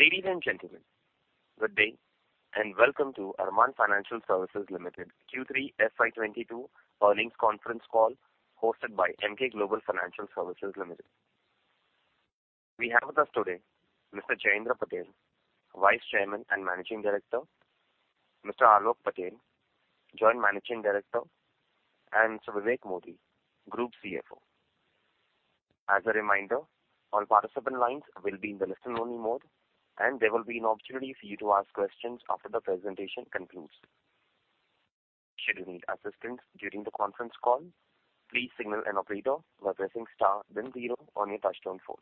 Ladies and gentlemen, good day, and welcome to Arman Financial Services Limited Q3 FY 2022 earnings conference call hosted by Emkay Global Financial Services Limited. We have with us today Mr. Jaiendra Patel, Vice Chairman and Managing Director, Mr. Alok Patel, Joint Managing Director, and Mr. Vivek Modi, Group CFO. As a reminder, all participant lines will be in the listen-only mode, and there will be an opportunity for you to ask questions after the presentation concludes. Should you need assistance during the conference call, please signal an operator by pressing star then zero on your touchtone phone.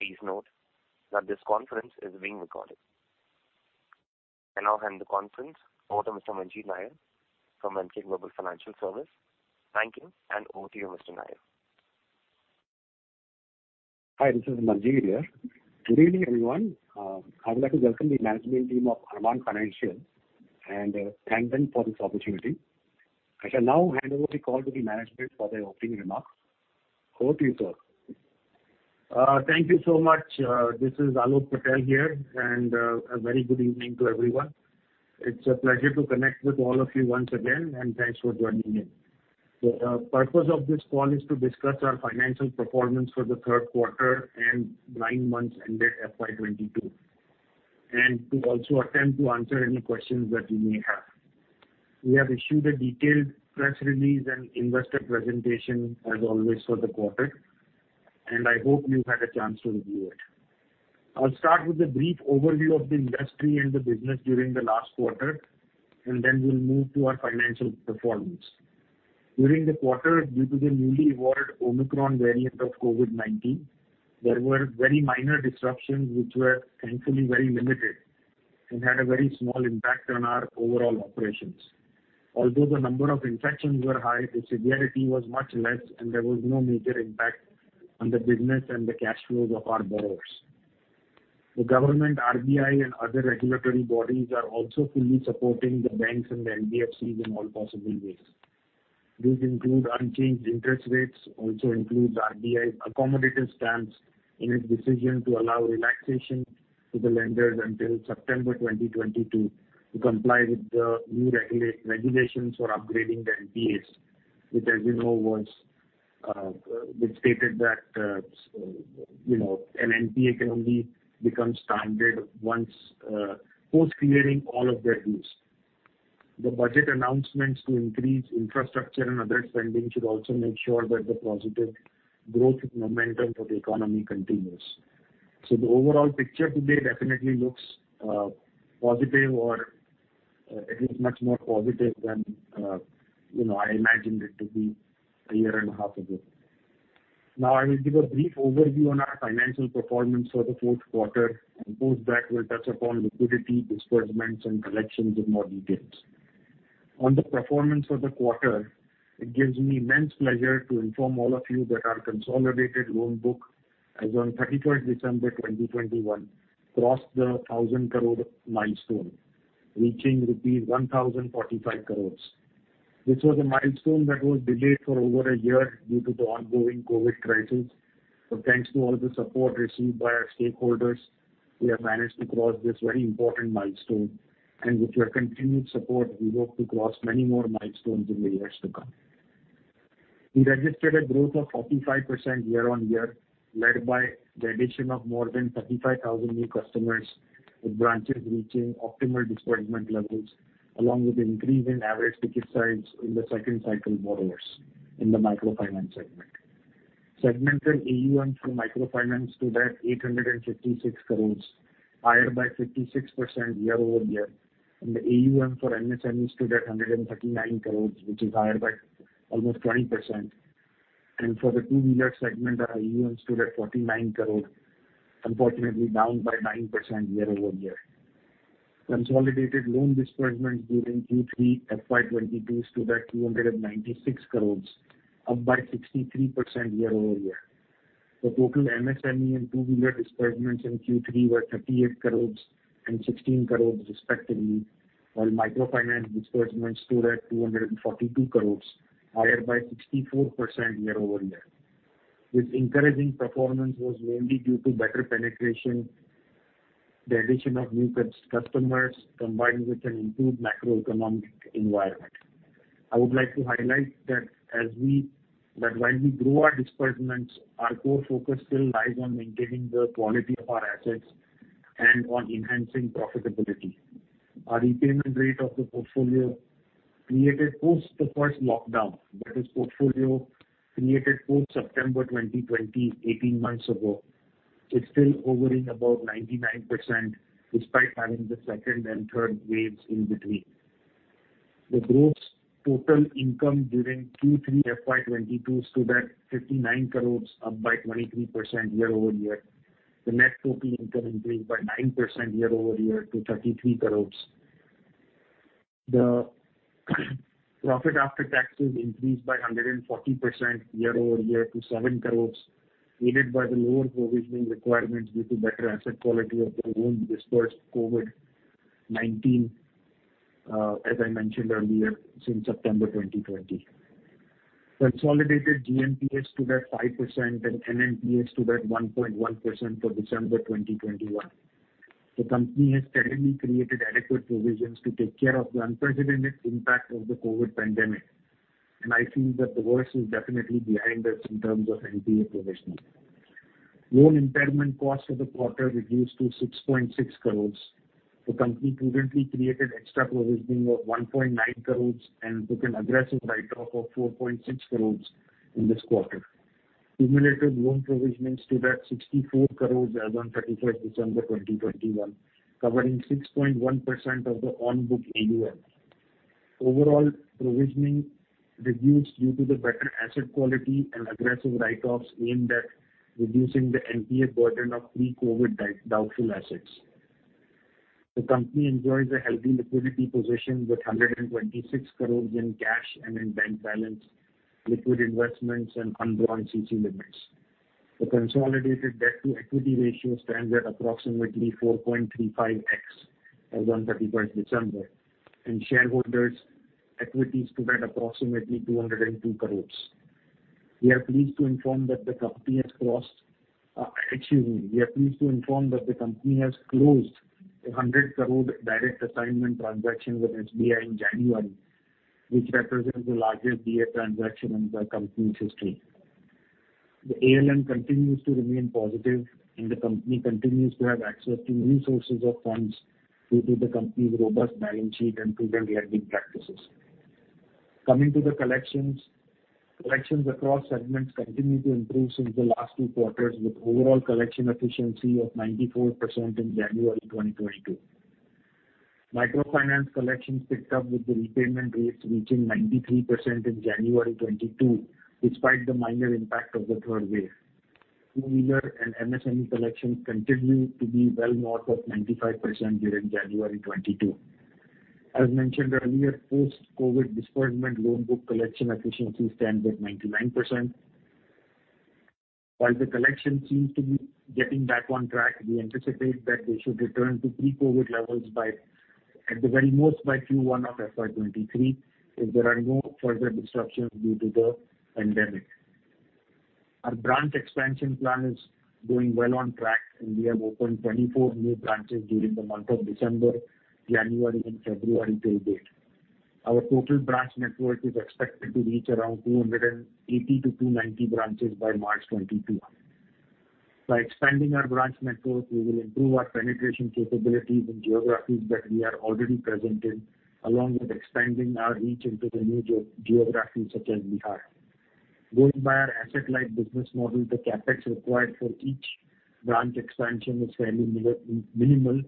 Please note that this conference is being recorded. I now hand the conference over to Mr. Manjeet Nair from Emkay Global Financial Services. Thank you, and over to you, Mr. Nair. Hi, this is Manjith here. Good evening, everyone. I would like to welcome the management team of Arman Financial and thank them for this opportunity. I shall now hand over the call to the management for their opening remarks. Over to you, sir. Thank you so much. This is Alok Patel here, and a very good evening to everyone. It's a pleasure to connect with all of you once again, and thanks for joining in. The purpose of this call is to discuss our financial performance for the third quarter and 9 months ended FY 2022, and to also attempt to answer any questions that you may have. We have issued a detailed press release and investor presentation as always for the quarter, and I hope you've had a chance to review it. I'll start with a brief overview of the industry and the business during the last quarter, and then we'll move to our financial performance. During the quarter, due to the newly evolved Omicron variant of COVID-19, there were very minor disruptions which were thankfully very limited and had a very small impact on our overall operations. Although the number of infections were high, the severity was much less, and there was no major impact on the business and the cash flows of our borrowers. The government, RBI, and other regulatory bodies are also fully supporting the banks and the NBFCs in all possible ways. These include unchanged interest rates, also includes RBI's accommodative stance in its decision to allow relaxation to the lenders until September 2022 to comply with the new regulations for upgrading the NPAs, which, as you know, stated that, you know, an NPA can only become standard once, post clearing all of their dues. The budget announcements to increase infrastructure and other spending should also make sure that the positive growth momentum for the economy continues. The overall picture today definitely looks positive or at least much more positive than you know I imagined it to be a year and a half ago. Now I will give a brief overview on our financial performance for the fourth quarter, and post that we'll touch upon liquidity, disbursements, and collections in more details. On the performance of the quarter, it gives me immense pleasure to inform all of you that our consolidated loan book as on December 31, 2021 crossed the 1,000 crore milestone, reaching rupees 1,045 crores. This was a milestone that was delayed for over a year due to the ongoing COVID crisis. Thanks to all the support received by our stakeholders, we have managed to cross this very important milestone, and with your continued support, we hope to cross many more milestones in the years to come. We registered a growth of 45% year-on-year, led by the addition of more than 35,000 new customers, with branches reaching optimal disbursement levels along with increase in average ticket size in the second cycle borrowers in the microfinance segment. Segmented AUM for microfinance stood at 856 crores, higher by 56% year-over-year. The AUM for MSME stood at 139 crores, which is higher by almost 20%. For the two-wheeler segment, our AUM stood at 49 crore, unfortunately down by 9% year-over-year. Consolidated loan disbursements during Q3 FY 2022 stood at INR 296 crores, up by 63% year-over-year. The total MSME and two-wheeler disbursements in Q3 were 38 crore and 16 crore respectively, while microfinance disbursements stood at 242 crore, higher by 64% year-over-year. This encouraging performance was mainly due to better penetration, the addition of new customers, combined with an improved macroeconomic environment. I would like to highlight that while we grow our disbursements, our core focus still lies on maintaining the quality of our assets and on enhancing profitability. Our repayment rate of the portfolio created post the first lockdown, that is portfolio created post September 2020, 18 months ago, is still hovering above 99% despite having the second and third waves in between. The gross total income during Q3 FY 2022 stood at INR 59 crore, up by 23% year-over-year. The net total income increased by 9% year-over-year to 33 crore. The profit after taxes increased by 140% year-over-year to 7 crore, aided by the lower provisioning requirements due to better asset quality of the loans disbursed post-COVID-19, as I mentioned earlier, since September 2020. Consolidated GNPA stood at 5% and NNPA stood at 1.1% for December 2021. The company has steadily created adequate provisions to take care of the unprecedented impact of the COVID pandemic, and I feel that the worst is definitely behind us in terms of NPA provisioning. Loan impairment costs for the quarter reduced to 6.6 crore. The company prudently created extra provisioning of 1.9 crore and took an aggressive write-off of 4.6 crore in this quarter. Accumulated loan provisions stood at 64 crore as on December 31, 2021, covering 6.1% of the on-book AUM. Overall provisioning reduced due to the better asset quality and aggressive write-offs aimed at reducing the NPA burden of pre-COVID doubtful assets. The company enjoys a healthy liquidity position with 126 crore in cash and in bank balance, liquid investments, and undrawn CC limits. The consolidated debt-to-equity ratio stands at approximately 4.35x as on 31 December, and shareholders' equity stood at approximately 202 crore. We are pleased to inform that the company has closed a 100 crore direct assignment transaction with SBI in January, which represents the largest DA transaction in the company's history. The ALM continues to remain positive, and the company continues to have access to new sources of funds due to the company's robust balance sheet and prudent lending practices. Coming to the collections. Collections across segments continue to improve since the last two quarters with overall collection efficiency of 94% in January 2022. Microfinance collections picked up with the repayment rates reaching 93% in January 2022, despite the minor impact of the third wave. Two-wheeler and MSME collections continue to be well north of 95% during January 2022. As mentioned earlier, post-COVID disbursement loan book collection efficiency stands at 99%. While the collection seems to be getting back on track, we anticipate that they should return to pre-COVID levels by, at the very most, by Q1 of FY 2023, if there are no further disruptions due to the pandemic. Our branch expansion plan is doing well on track, and we have opened 24 new branches during the month of December, January, and February till date. Our total branch network is expected to reach around 280 to 290 branches by March 2022. By expanding our branch network, we will improve our penetration capabilities in geographies that we are already present in, along with expanding our reach into the new geographies such as Bihar. Going by our asset-light business model, the CapEx required for each branch expansion is fairly minimal,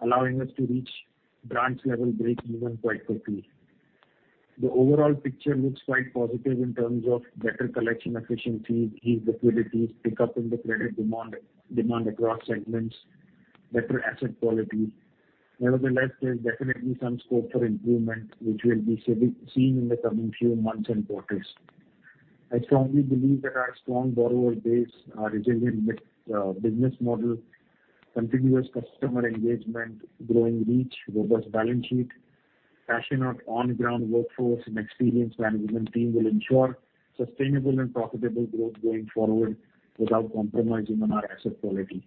allowing us to reach branch level breakeven quite quickly. The overall picture looks quite positive in terms of better collection efficiency, easy liquidity, pick up in the credit demand across segments, better asset quality. Nevertheless, there's definitely some scope for improvement, which will be seen in the coming few months and quarters. I strongly believe that our strong borrower base, our resilient business model, continuous customer engagement, growing reach, robust balance sheet, passionate on-ground workforce, and experienced management team will ensure sustainable and profitable growth going forward without compromising on our asset quality.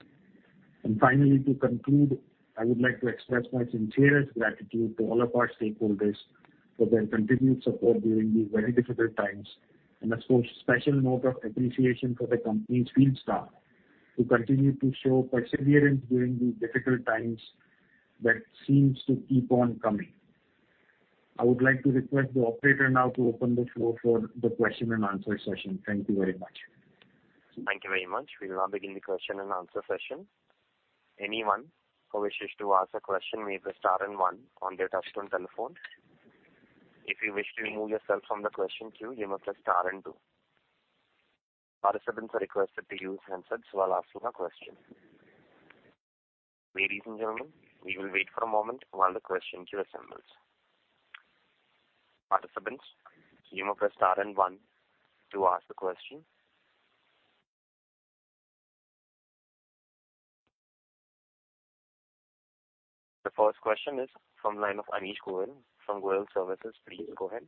Finally, to conclude, I would like to express my sincerest gratitude to all of our stakeholders for their continued support during these very difficult times, and a special note of appreciation for the company's field staff, who continue to show perseverance during these difficult times that seems to keep on coming. I would like to request the operator now to open the floor for the question-and-answer session. Thank you very much. Thank you very much. We will now begin the question-and-answer session. Anyone who wishes to ask a question may press star and one on their touchtone telephone. If you wish to remove yourself from the question queue, you may press star and two. Participants are requested to use handsets while asking a question. Ladies and gentlemen, we will wait for a moment while the question queue assembles. Participants, you may press star and one to ask a question. The first question is from line of Anish Goyal from Empyrean Services. Please go ahead.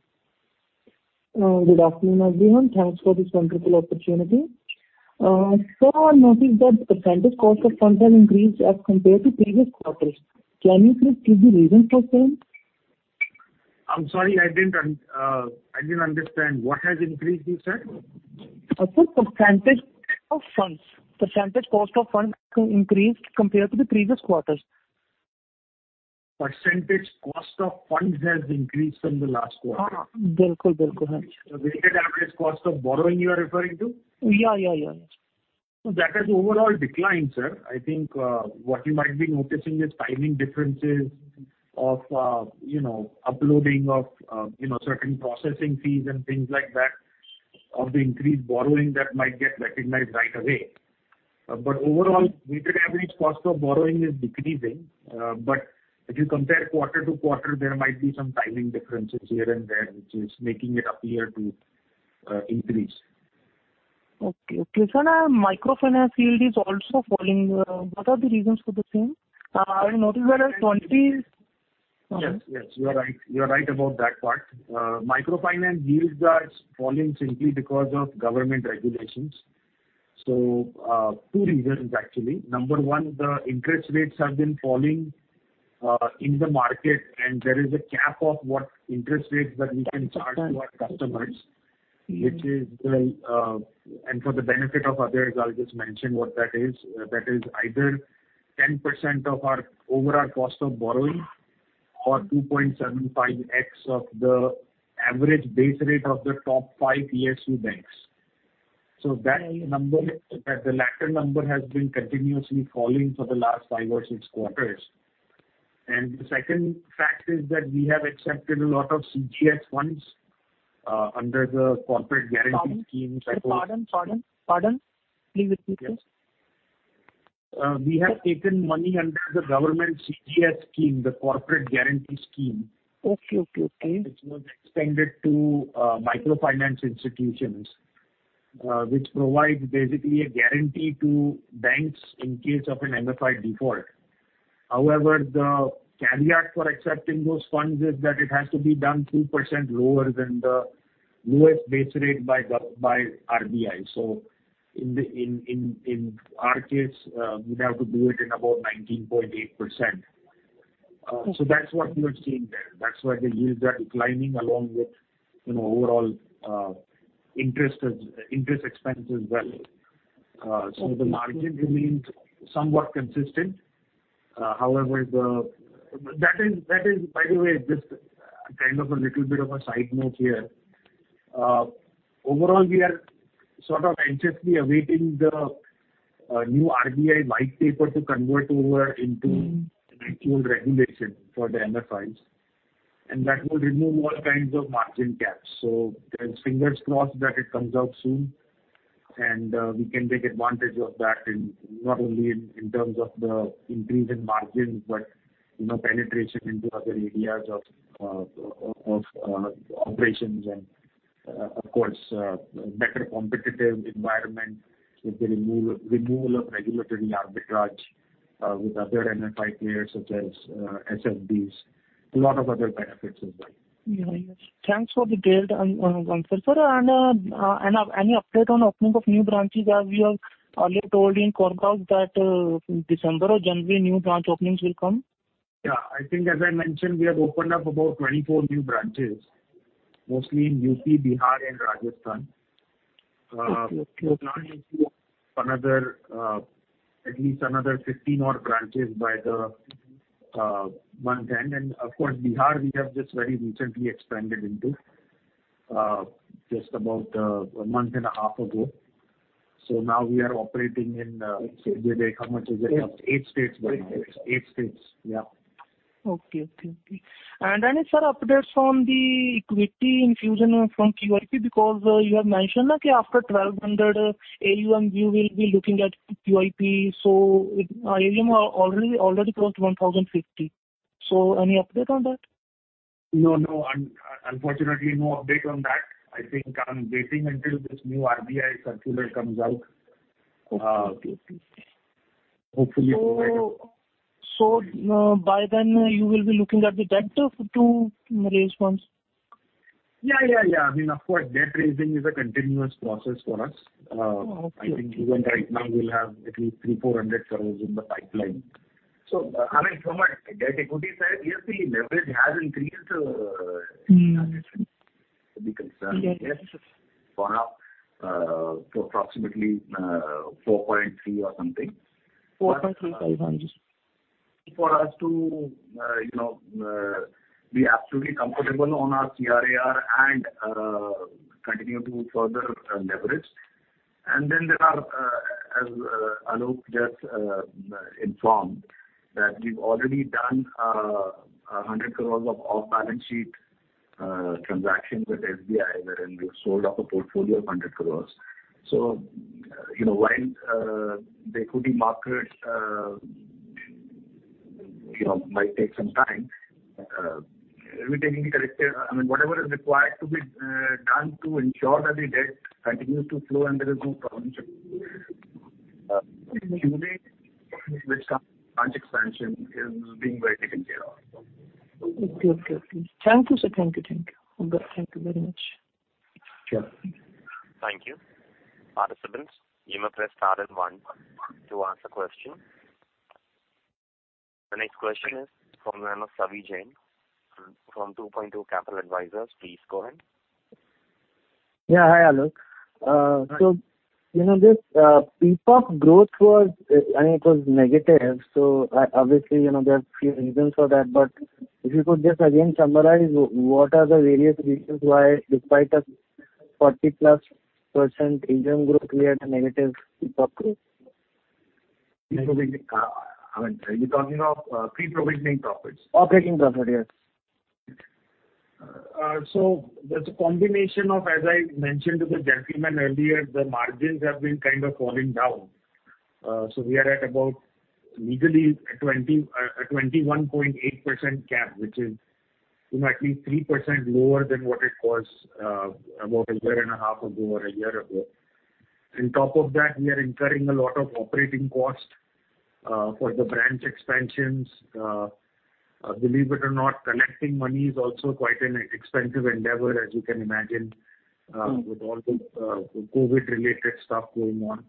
Good afternoon, everyone. Thanks for this wonderful opportunity. I noticed that the percentage cost of funds has increased as compared to previous quarters. Can you please give the reasons for same? I'm sorry, I didn't understand. What has increased you said? Sir, percentage of funds. Percentage cost of funds increased compared to the previous quarters. Percentage cost of funds has increased from the last quarter? Ha. The weighted average cost of borrowing you are referring to? Yeah, yeah. That has overall declined, sir. I think, what you might be noticing is timing differences of, you know, uploading of, you know, certain processing fees and things like that of the increased borrowing that might get recognized right away. Overall, weighted average cost of borrowing is decreasing. If you compare quarter to quarter, there might be some timing differences here and there, which is making it appear to increase. Okay. Sir, microfinance yield is also falling. What are the reasons for the same? I noticed that at twenty- Yes, you are right about that part. Microfinance yields are falling simply because of government regulations. Two reasons actually. Number one, the interest rates have been falling in the market and there is a cap of what interest rates that we can charge to our customers which is, and for the benefit of others I'll just mention what that is. That is either 10% of our overall cost of borrowing or 2.75x of the average base rate of the top five PSU banks. That number, the latter number has been continuously falling for the last five or six quarters. The second fact is that we have accepted a lot of CGS funds under the corporate guarantee scheme. Pardon. Please repeat, sir. We have taken money under the government CGS scheme, the Credit Guarantee Scheme. Okay. Which was extended to microfinance institutions, which provide basically a guarantee to banks in case of an MFI default. However, the caveat for accepting those funds is that it has to be done 3% lower than the lowest base rate by RBI. In our case, we'd have to do it in about 19.8%. That's what you are seeing there. That's why the yields are declining along with, you know, overall interest expense as well. The margin remains somewhat consistent. However, that is by the way, just kind of a little bit of a side note here. Overall we are sort of anxiously awaiting the new RBI white paper to convert over into actual regulation for the MFIs, and that would remove all kinds of margin caps. There's fingers crossed that it comes out soon and we can take advantage of that not only in terms of the increase in margins, but you know, penetration into other areas of operations and of course, better competitive environment with the removal of regulatory arbitrage with other MFI players such as SFBs. A lot of other benefits as well. Yeah. Thanks for the detail on Arman. Sir, and any update on opening of new branches as you have earlier told in quarter results that December or January new branch openings will come? Yeah. I think as I mentioned, we have opened up about 24 new branches, mostly in UP, Bihar and Rajasthan. Okay, okay. We plan to open at least another 15-odd branches by the month end. Of course, Bihar, we have just very recently expanded into just about a month and a half ago. Now we are operating in, how much is it? Eight states right now. Okay. Any, sir, updates from the equity infusion from QIP because you have mentioned that after 1200 AUM you will be looking at QIP. AUM already crossed 1050. Any update on that? No. Unfortunately no update on that. I think I'm waiting until this new RBI circular comes out. Okay. Okay. Hopefully- By then you will be looking at the debt to raise funds? Yeah, yeah. I mean, of course debt raising is a continuous process for us. I think even right now we'll have at least 300-400 crores in the pipeline. I mean, from a debt equity side, yes, the leverage has increased to be concerned. Yes. For now, approximately 4.3 or something. 4.35. For us to, you know, be absolutely comfortable on our CRAR and continue to further leverage. Then there are, as Alok just informed, that we've already done 100 crore of off-balance sheet transactions with SBI wherein we've sold off a portfolio of 100 crore. You know, the equity market, you know, might take some time, everything will be corrected. I mean, whatever is required to be done to ensure that the debt continues to flow and there is no problem with our branch expansion is being very taken care of. Okay. Thank you, sir. Thank you very much. Sure. Thank you. Participants, you may press star and one to ask a question. The next question is from the member Savi Jain from 2Point2 Capital Advisors. Please go ahead. Yeah. Hi, Alok. So you know this PPOP growth was, I mean, it was negative, so obviously, you know, there are few reasons for that. If you could just again summarize what are the various reasons why despite a 40%+ income growth we had a negative PPOP growth? I mean, are you talking of pre-provision profits? Pre-provision profit, yes. There's a combination of, as I mentioned to the gentleman earlier, the margins have been kind of falling down. We are at about largely a 21.8% cap, which is roughly 3% lower than what it was, about a year and a half ago or a year ago. On top of that, we are incurring a lot of operating costs for the branch expansions. Believe it or not, collecting money is also quite an expensive endeavor, as you can imagine, with all the COVID-related stuff going on.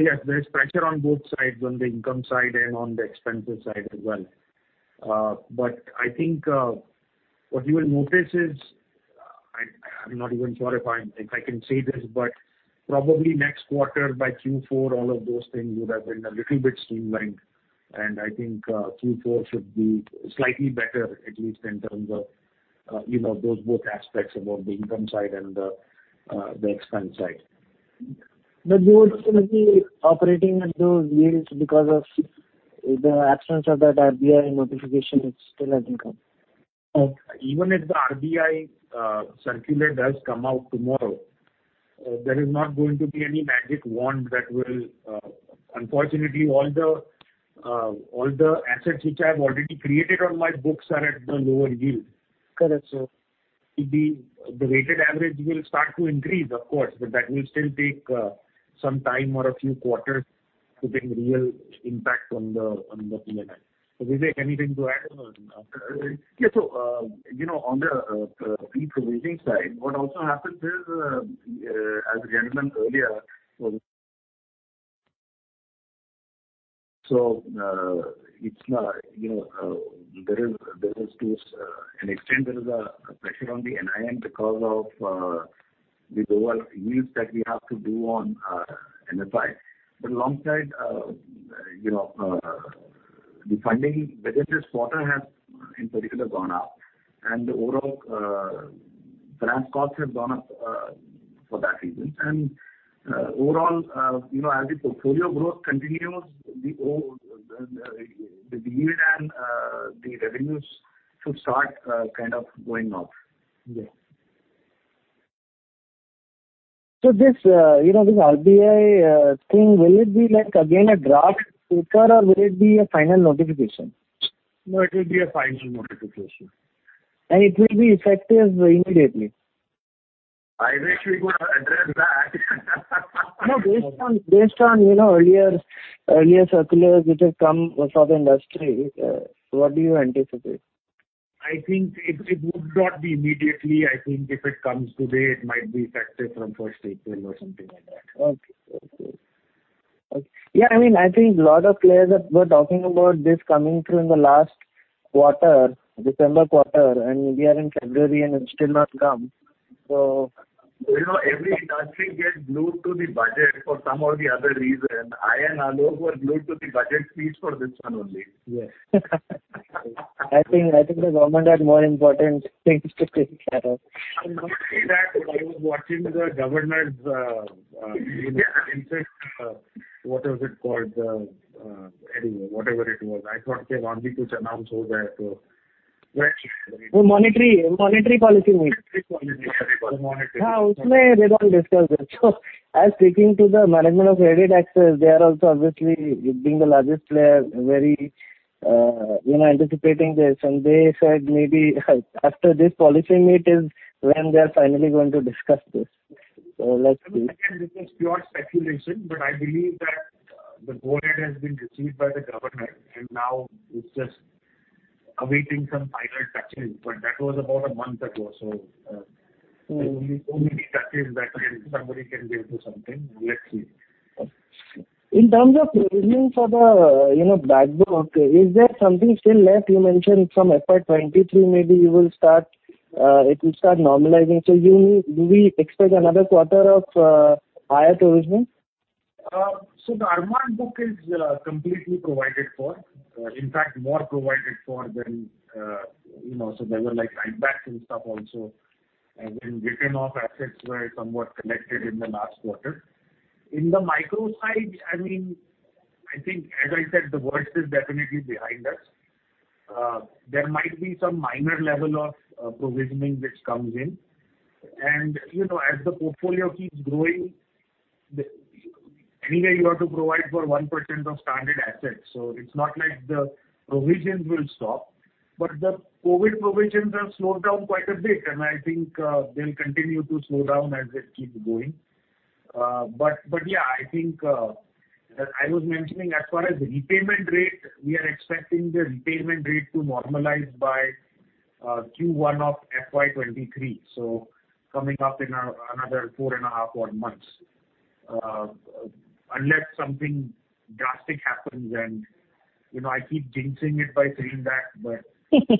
Yes, there's pressure on both sides, on the income side and on the expense side as well. I think what you will notice is... I'm not even sure if I can say this, but probably next quarter by Q4, all of those things would have been a little bit streamlined. I think Q4 should be slightly better, at least in terms of you know, those both aspects about the income side and the expense side. You will still be operating at those yields because of the absence of that RBI notification. It still hasn't come. Even if the RBI circular does come out tomorrow, there is not going to be any magic wand that will. Unfortunately, all the assets which I've already created on my books are at the lower yield. Correct, sir. It'll be the weighted average will start to increase, of course, but that will still take some time or a few quarters to bring real impact on the P&L. Vivek, anything to add on? Yeah, you know, on the pre-provisioning side, what also happens is, as we mentioned earlier. It's not, you know, to an extent there is a pressure on the NIM because of the lower yields that we have to do on our MFI. Alongside, you know, the funding, the interest cost has in particular gone up, and the overall branch costs have gone up for that reason. Overall, you know, as the portfolio growth continues, the yield and the revenues should start kind of going up. Yeah. This RBI thing, will it be like again a draft circular or will it be a final notification? No, it will be a final notification. It will be effective immediately? I wish we could address that. No, based on, you know, earlier circulars which have come across the industry, what do you anticipate? I think it would not be immediately. I think if it comes today, it might be effective from first April or something like that. Okay. Yeah, I mean, I think a lot of players were talking about this coming through in the last quarter, December quarter, and we are in February and it's still not come. So. You know, every industry gets glued to the budget for some or the other reason. I and Alok were glued to the budget speech for this one only. Yes. I think the government had more important things to take care of. not only that, when I was watching the governor's whatever it was. I thought, "Okay, monetary policy meet. Monetary policy. Monetary policy. Yeah, in that they don't discuss it. I was speaking to the management of CreditAccess Grameen. They are also obviously being the largest player, very anticipating this, and they said maybe after this policy meet is when they're finally going to discuss this. Let's see. Again, this is pure speculation, but I believe that the go ahead has been received by the government and now it's just awaiting some final touches, but that was about a month ago. There's only so many touches that somebody can give to something. Let's see. In terms of provisioning for the, you know, bad book, is there something still left? You mentioned from FY 2023, maybe it will start normalizing. Do we expect another quarter of higher provisioning? The Arman book is completely provided for. In fact, more provided for than you know, so there were like buybacks and stuff also, and when written off assets were somewhat collected in the last quarter. In the micro side, I mean, I think, as I said, the worst is definitely behind us. There might be some minor level of provisioning which comes in. You know, as the portfolio keeps growing. Anyway, you have to provide for 1% of standard assets, so it's not like the provisions will stop. The COVID provisions have slowed down quite a bit, and I think, they'll continue to slow down as it keeps going. I think I was mentioning as far as the repayment rate, we are expecting the repayment rate to normalize by Q1 of FY 2023. Coming up in another 4.5 odd months. Unless something drastic happens and, you know, I keep jinxing it by saying that, but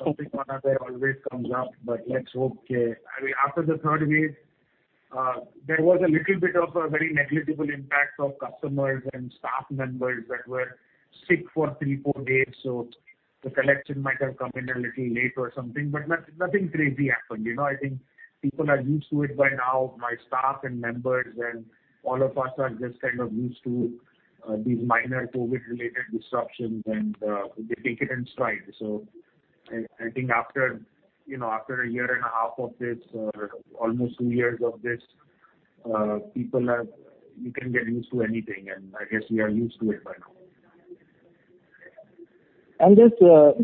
something or other always comes up. Let's hope, I mean, after the third wave, there was a little bit of a very negligible impact on customers and staff members that were sick for three or four days, so the collection might have come in a little late or something, but nothing crazy happened. You know, I think people are used to it by now. My staff and members and all of us are just kind of used to these minor COVID related disruptions and they take it in stride. I think after you know after a year and a half of this or almost two years of this people are. You can get used to anything and I guess we are used to it by now. This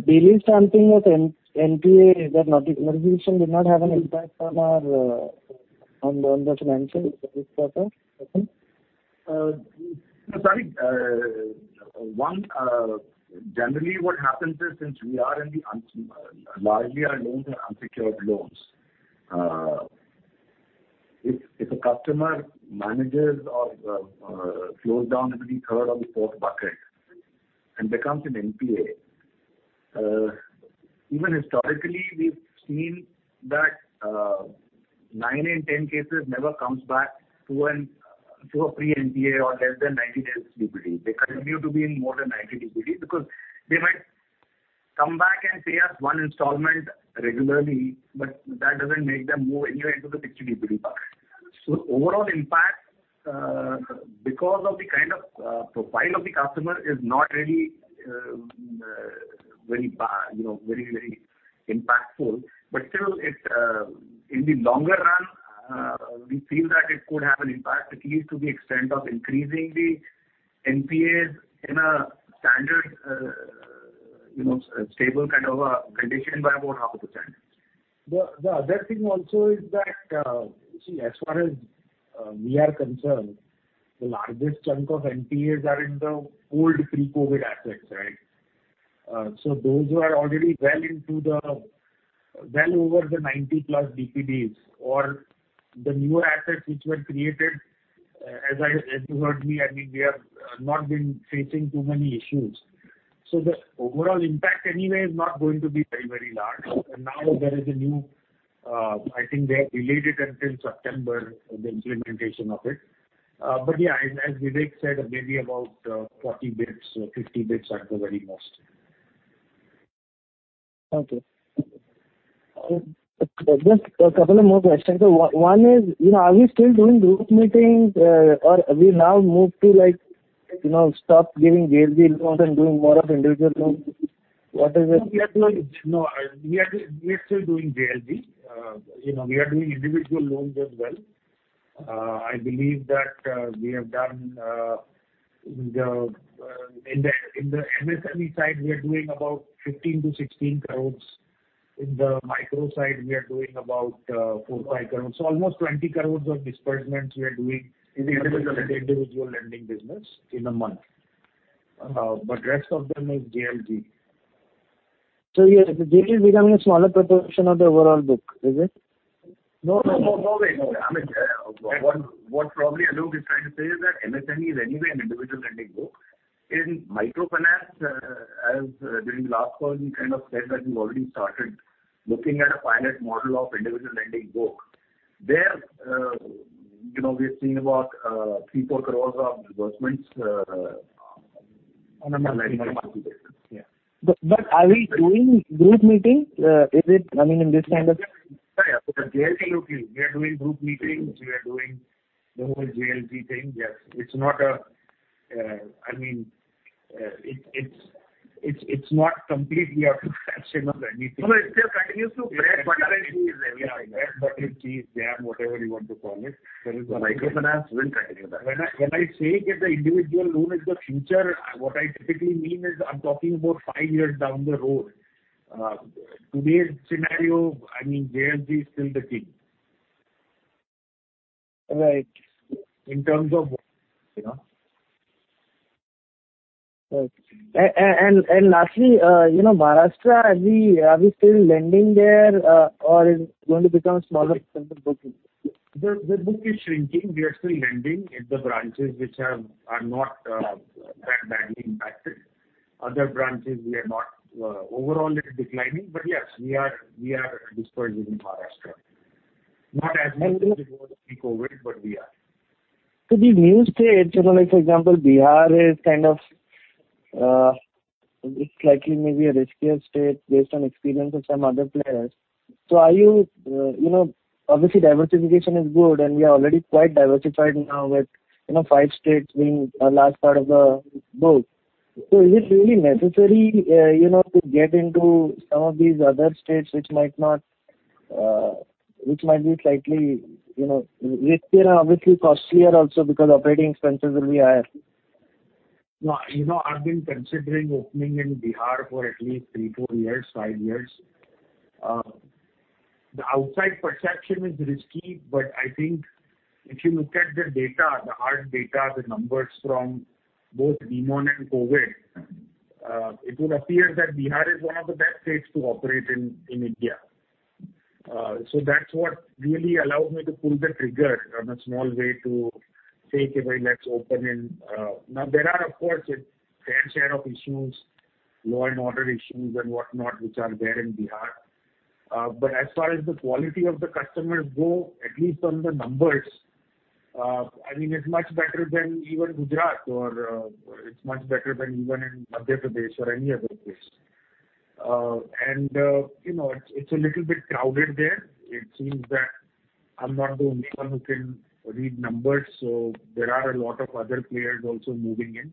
daily stamping of NNPA did not have an impact on the financial services sector? Okay. Sorry. Generally what happens is, since largely our loans are unsecured loans, if a customer manages or closed down every third or fourth bucket and becomes an NPA, even historically, we've seen that nine in ten cases never comes back to a pre-NPA or less than 90 days DPD. They continue to be in more than 90 DPD because they might come back and pay us one installment regularly, but that doesn't make them move anywhere into the 60 DPD bucket. Overall impact, because of the kind of profile of the customer is not really very, you know, very, very impactful. Still, in the longer run, we feel that it could have an impact, at least to the extent of increasing the NPAs in a standard, you know, stable kind of a condition by about 0.5%. The other thing also is that, see, as far as we are concerned, the largest chunk of NPAs are in the old pre-COVID assets, right? Those who are already well over the 90+ DPDs or the newer assets which were created, as you heard me, I mean, we have not been facing too many issues. The overall impact anyway is not going to be very, very large. Now there is a new, I think they have delayed it until September, the implementation of it. Yeah, as Vivek said, maybe about 40 bps or 50 bps at the very most. Okay. Just a couple of more questions. One is, you know, are we still doing group lending, or we now move to like, you know, stop giving JLG loans and doing more of individual loans? What is it? No, we are still doing JLG. You know, we are doing individual loans as well. I believe that in the MSME side, we are doing about INR 15-1INR 6 crores. In the micro side, we are doing about 4-5 crores. So almost 20 crores of disbursements we are doing in the individual lending business in a month. Rest of them is JLG. Yeah, JLG is becoming a smaller proportion of the overall book, is it? No, no. What probably Alok is trying to say is that MSME is anyway an individual lending book. In microfinance, as during the last call, we kind of said that we've already started looking at a pilot model of individual lending book. There, you know, we've seen about 3 crore-4 crore of disbursements. On a monthly basis. Yeah. Are we doing group meetings? Is it, I mean, in this kind of For the JLG book, we are doing group meetings, we are doing the whole JLG thing. Yes. It's not, I mean, it's not completely out of fashion or anything. No, it still continues to bread, butter and cheese everything. Yeah. Bread, butter, cheese, jam, whatever you want to call it. Microfinance will continue that. When I say that the individual loan is the future, what I typically mean is I'm talking about five years down the road. Today's scenario, I mean, JLG is still the king. Right. In terms of, you know. Right. Lastly, you know, Maharashtra, are we still lending there, or is going to become smaller than the book? The book is shrinking. We are still lending in the branches which are not that badly impacted. Other branches we are not. Overall it's declining. Yes, we are disbursing in Maharashtra. Not as much as it was pre-COVID, but we are. These new states, you know, like for example, Bihar is kind of, it's likely maybe a riskier state based on experience of some other players. Are you know, obviously diversification is good, and we are already quite diversified now with, you know, five states being a large part of the book. Is it really necessary, you know, to get into some of these other states which might be slightly, you know, riskier and obviously costlier also because operating expenses will be higher? No. You know, I've been considering opening in Bihar for at least three, four years, five years. The outside perception is risky, but I think if you look at the data, the hard data, the numbers from both Demonetization and COVID, it would appear that Bihar is one of the best states to operate in India. So that's what really allowed me to pull the trigger in a small way to say, okay, well, let's open in. Now, there are of course its fair share of issues, law and order issues and whatnot, which are there in Bihar. But as far as the quality of the customers go, at least on the numbers, I mean, it's much better than even Gujarat or, it's much better than even in Madhya Pradesh or any other place. You know, it's a little bit crowded there. It seems that I'm not the only one who can read numbers, so there are a lot of other players also moving in.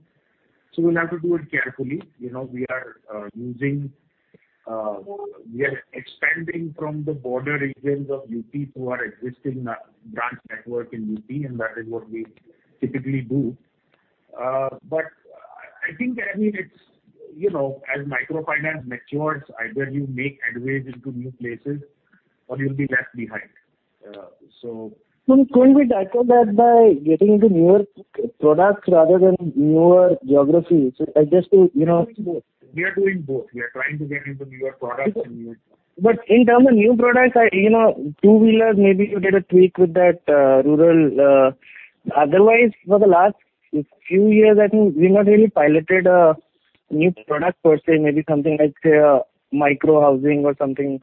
We'll have to do it carefully. You know, we are expanding from the border regions of UP through our existing branch network in UP, and that is what we typically do. But I think, I mean, it's you know, as microfinance matures, either you make inroads into new places or you'll be left behind. Sir, couldn't we tackle that by getting into newer products rather than newer geographies? Just to, you know- We are doing both. We are trying to get into newer products and new In terms of new products, you know, two-wheelers maybe you did a tweak with that, rural. Otherwise for the last few years, I think we've not really piloted a new product per se, maybe something like, say a micro-housing or something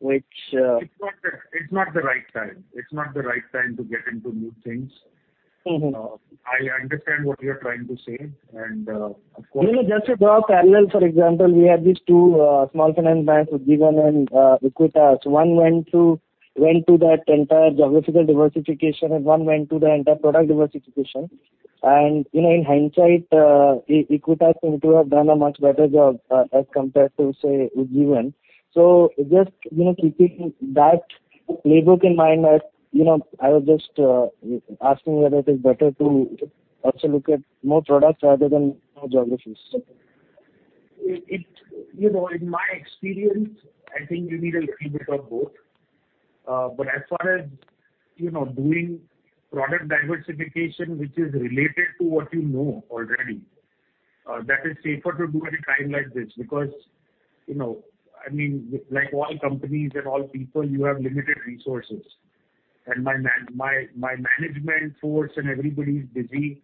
which, It's not the right time to get into new things. I understand what you are trying to say and, of course. You know, just to draw a parallel, for example, we have these two small finance banks, Ujjivan and Equitas. One went to that entire geographical diversification and one went to the entire product diversification. You know, in hindsight, Equitas seem to have done a much better job, as compared to, say, Ujjivan. Just, you know, keeping that playbook in mind, I was just asking whether it is better to also look at more products rather than more geographies. You know, in my experience, I think you need a little bit of both. But as far as, you know, doing product diversification which is related to what you know already, that is safer to do at a time like this because, you know, I mean, like all companies and all people, you have limited resources. My management force and everybody is busy,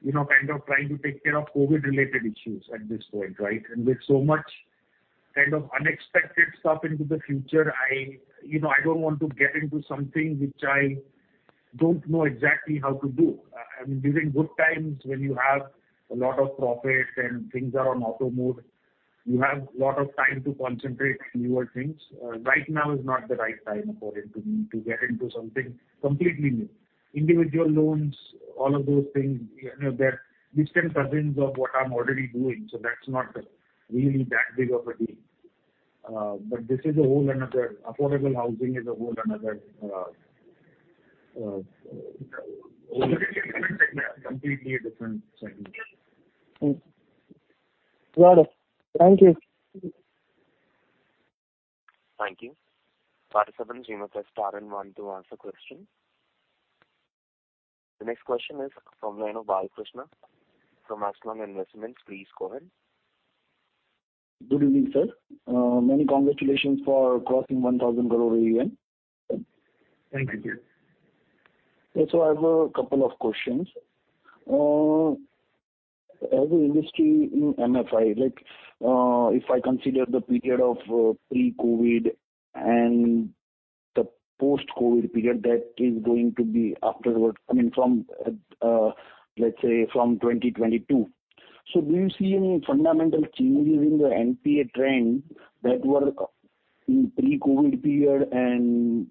you know, kind of trying to take care of COVID related issues at this point, right? With so much kind of unexpected stuff into the future, you know, I don't want to get into something which I don't know exactly how to do. I mean, during good times when you have a lot of profit and things are on auto mode, you have lot of time to concentrate on newer things. Right now is not the right time for it to get into something completely new. Individual loans, all of those things, you know, they're distant cousins of what I'm already doing, so that's not really that big of a deal. But this is a whole another. Affordable housing is a whole another completely different segment. Got it. Thank you. Thank you. Participants, you may press star and one to ask a question. The next question is from Ankit Gupta from Bamboo Capital. Please go ahead. Good evening, sir. Many congratulations for crossing 1,000 crore AUM. Thank you. I have a couple of questions. As an industry in MFI, like, if I consider the period of pre-COVID and the post-COVID period that is going to be afterward, I mean from, let's say from 2022. Do you see any fundamental changes in the NPA trend that were in pre-COVID period and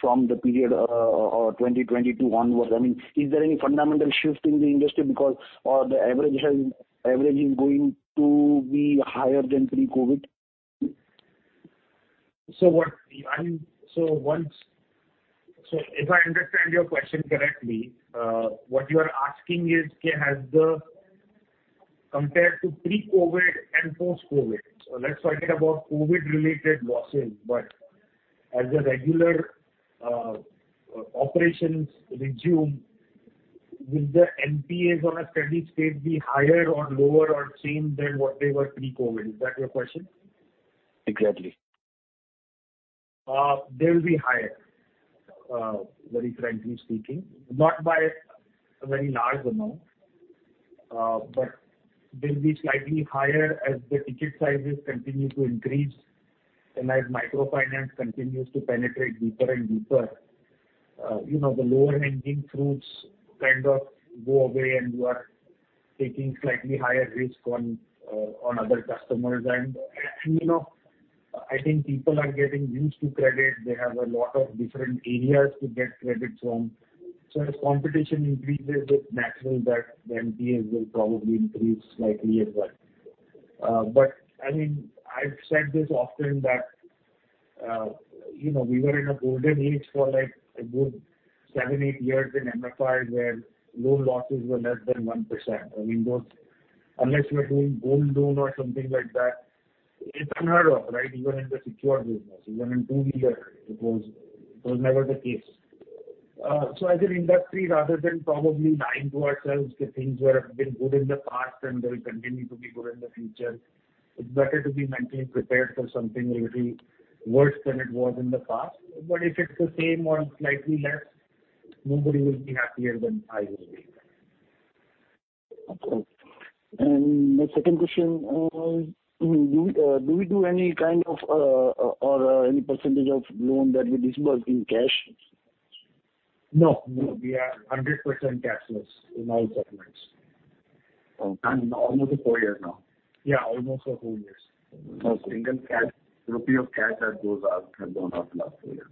from the period of 2020 to onwards? I mean, is there any fundamental shift in the industry because or the average is going to be higher than pre-COVID? If I understand your question correctly, what you are asking is, compared to pre-COVID and post-COVID, let's forget about COVID related losses, but as the regular operations resume, will the NPAs on a steady state be higher or lower or same than what they were pre-COVID? Is that your question? Exactly. They will be higher, very frankly speaking. Not by a very large amount, but they'll be slightly higher as the ticket sizes continue to increase and as microfinance continues to penetrate deeper and deeper. You know, the lower hanging fruits kind of go away and you are taking slightly higher risk on other customers. You know, I think people are getting used to credit. They have a lot of different areas to get credits from. As competition increases, it's natural that the NPAs will probably increase slightly as well. I mean, I've said this often that, you know, we were in a golden age for like a good seven, eight years in MFI where loan losses were less than 1%. I mean, those, unless you're doing gold loan or something like that, it's unheard of, right? Even in the secured business, even in two-wheeler, it was never the case. As an industry rather than probably lying to ourselves that things were a bit good in the past and will continue to be good in the future, it's better to be mentally prepared for something will be worse than it was in the past. If it's the same or slightly less, nobody will be happier than I will be. Okay. My second question, do we do any kind of, or any percentage of loan that we disburse in cash? No, no. We are 100% cashless in all segments. Almost four years now. Yeah, almost four years. Okay. single rupee of cash has gone out in the last four years.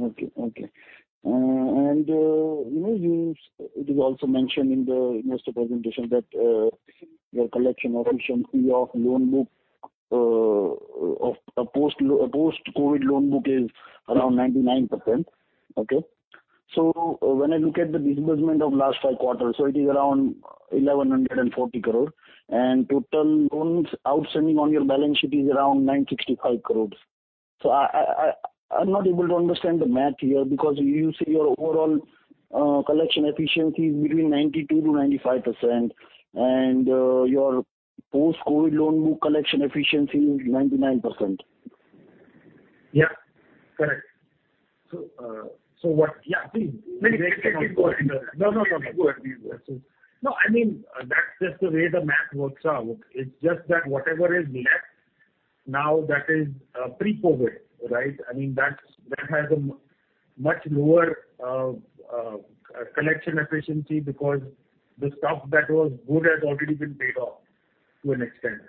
Okay, okay. You know, it is also mentioned in the investor presentation that your collection efficiency of loan book of a post-COVID loan book is around 99%. Okay? When I look at the disbursement of last five quarters, it is around 1,140 crore and total loans outstanding on your balance sheet is around 965 crore. I am not able to understand the math here because you say your overall collection efficiency is between 92%-95% and your post-COVID loan book collection efficiency is 99%. Yeah. Correct. What? Yeah. Please. No, no, go ahead. No, I mean, that's just the way the math works out. It's just that whatever is left now that is pre-COVID, right? I mean, that has a much lower collection efficiency because the stuff that was good has already been paid off to an extent.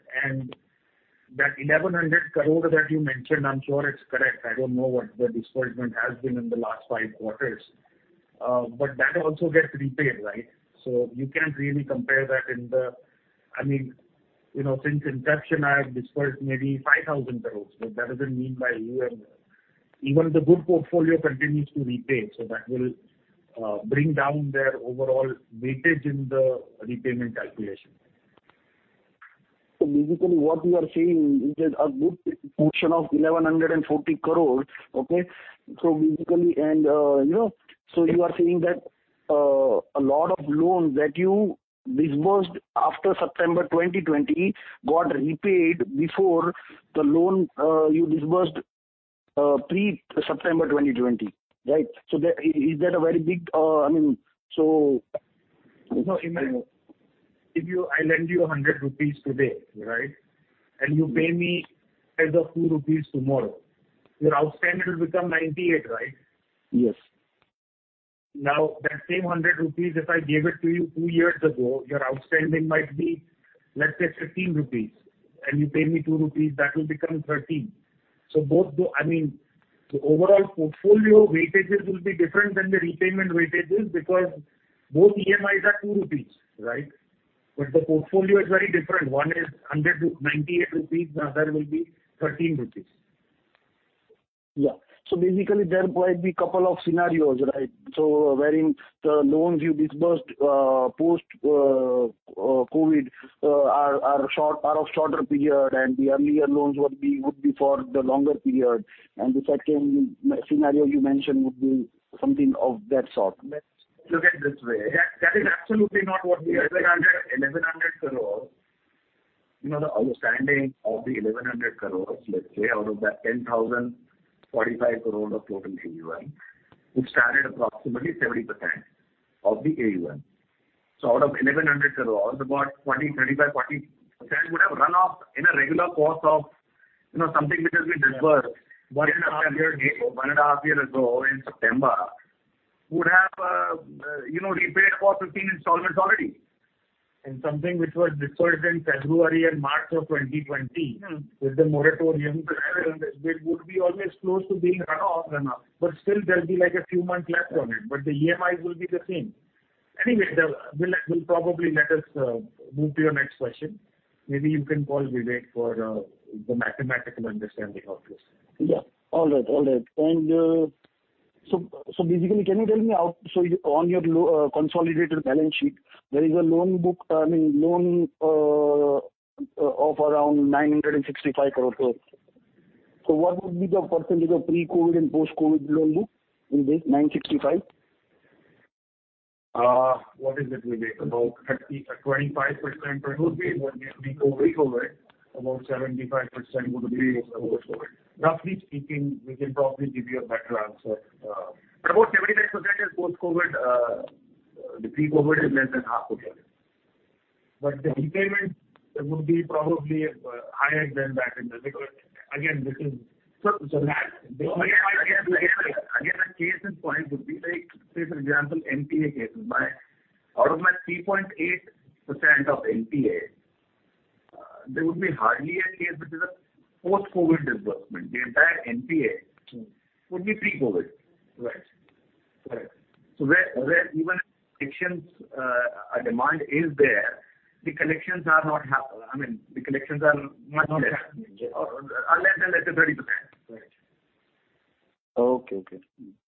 That 1,100 crore that you mentioned, I'm sure it's correct. I don't know what the disbursement has been in the last five quarters, but that also gets repaid, right? You can't really compare that. I mean, you know, since inception, I have disbursed maybe 5,000 crore. That doesn't mean my AUM. Even the good portfolio continues to repay, so that will bring down their overall weightage in the repayment calculation. Basically what you are saying is that a good portion of 1,140 crores, okay? You know, you are saying that a lot of loans that you disbursed after September 2020 got repaid before the loans you disbursed pre-September 2020, right? Is that a very big, I mean. No, imagine if I lend you 100 rupees today, right? You pay me say 2 rupees tomorrow. Your outstanding will become 98, right? Yes. Now, that same 100 rupees, if I gave it to you 2 years ago, your outstanding might be, let's say 15 rupees, and you pay me 2 rupees, that will become 13. Both go, I mean. The overall portfolio weightages will be different than the repayment weightages because both EMIs are 2 rupees, right? But the portfolio is very different. One is 100-98 rupees, the other will be 13 rupees. Yeah. Basically there might be couple of scenarios, right? Wherein the loans you disbursed post COVID are short, are of shorter period, and the earlier loans would be for the longer period. The second scenario you mentioned would be something of that sort. Look at it this way. That is absolutely not what we are saying. 1,100 crore, you know, the outstanding of the 1,100 crore, let's say, out of that 10,045 crore of total AUM, which started approximately 70% of the AUM. Out of 1,100 crore, about 20, 35, 40% would have run off in a regular course of, you know, something which has been disbursed one and a half year ago in September, would have, you know, repaid for 15 installments already. Something which was disbursed in February and March of 2020- with the moratorium, it would be almost close to being run off enough. But still there'll be like a few months left on it, but the EMIs will be the same. Anyway, we'll probably let you move to your next question. Maybe you can call Vivek for the mathematical understanding of this. Basically, can you tell me how on your consolidated balance sheet, there is a loan book, I mean, loan of around 965 crore. What would be the percentage of pre-COVID and post-COVID loan book in this 965? What is it, Vivek? About 25% would be pre-COVID. About 75% would be post-COVID. Roughly speaking, we can probably give you a better answer. About 75% is post-COVID. The pre-COVID is less than half of that. The repayment, it would probably be higher than that in the. Because again, this is. So, so- Again the case in point would be like, say for example, NPA cases. Out of my 3.8% of NPA, there would be hardly a case which is a post-COVID disbursement. The entire NPA would be pre-COVID. Right. Right. Wherever there's demand, the collections are not happening. I mean, the collections are much less than 30%. Right. Okay.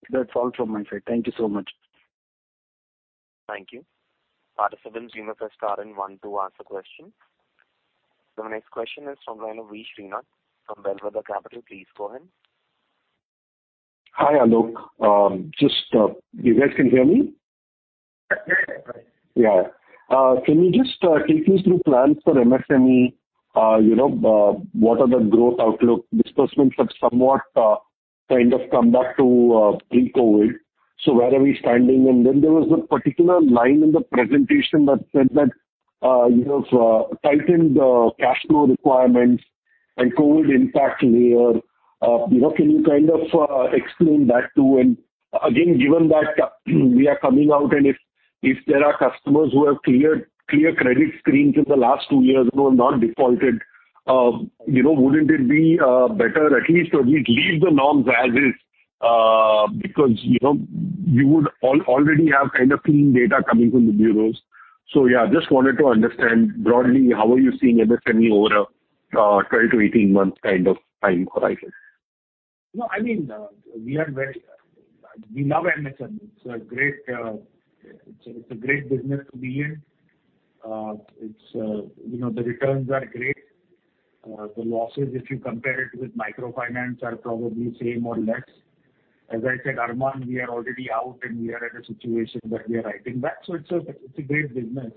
That's all from my side. Thank you so much. Thank you. Participants, you may press star and one to ask a question. Next question is from line of V. Srinath from Bellwether Capital. Please go ahead. Hi, Alok. You guys can hear me? Yes. Yeah. Can you just take me through plans for MSME? You know, what is the growth outlook? Disbursements have somewhat kind of come back to pre-COVID. Where are we standing? Then there was a particular line in the presentation that said that you have tightened the cash flow requirements and COVID impact layer. You know, can you kind of explain that too? Again, given that we are coming out, and if there are customers who have cleared credit screens in the last two years who have not defaulted, you know, wouldn't it be better at least to leave the norms as is, because you know, you would already have kind of clean data coming from the bureaus. Yeah, just wanted to understand broadly how are you seeing MSME over a 12-18 month kind of time horizon? No, I mean, we are very... We love MSME. It's a great business to be in. You know, the returns are great. The losses, if you compare it with microfinance, are probably same or less. As I said, Arman, we are already out, and we are at a situation that we are writing back. It's a great business.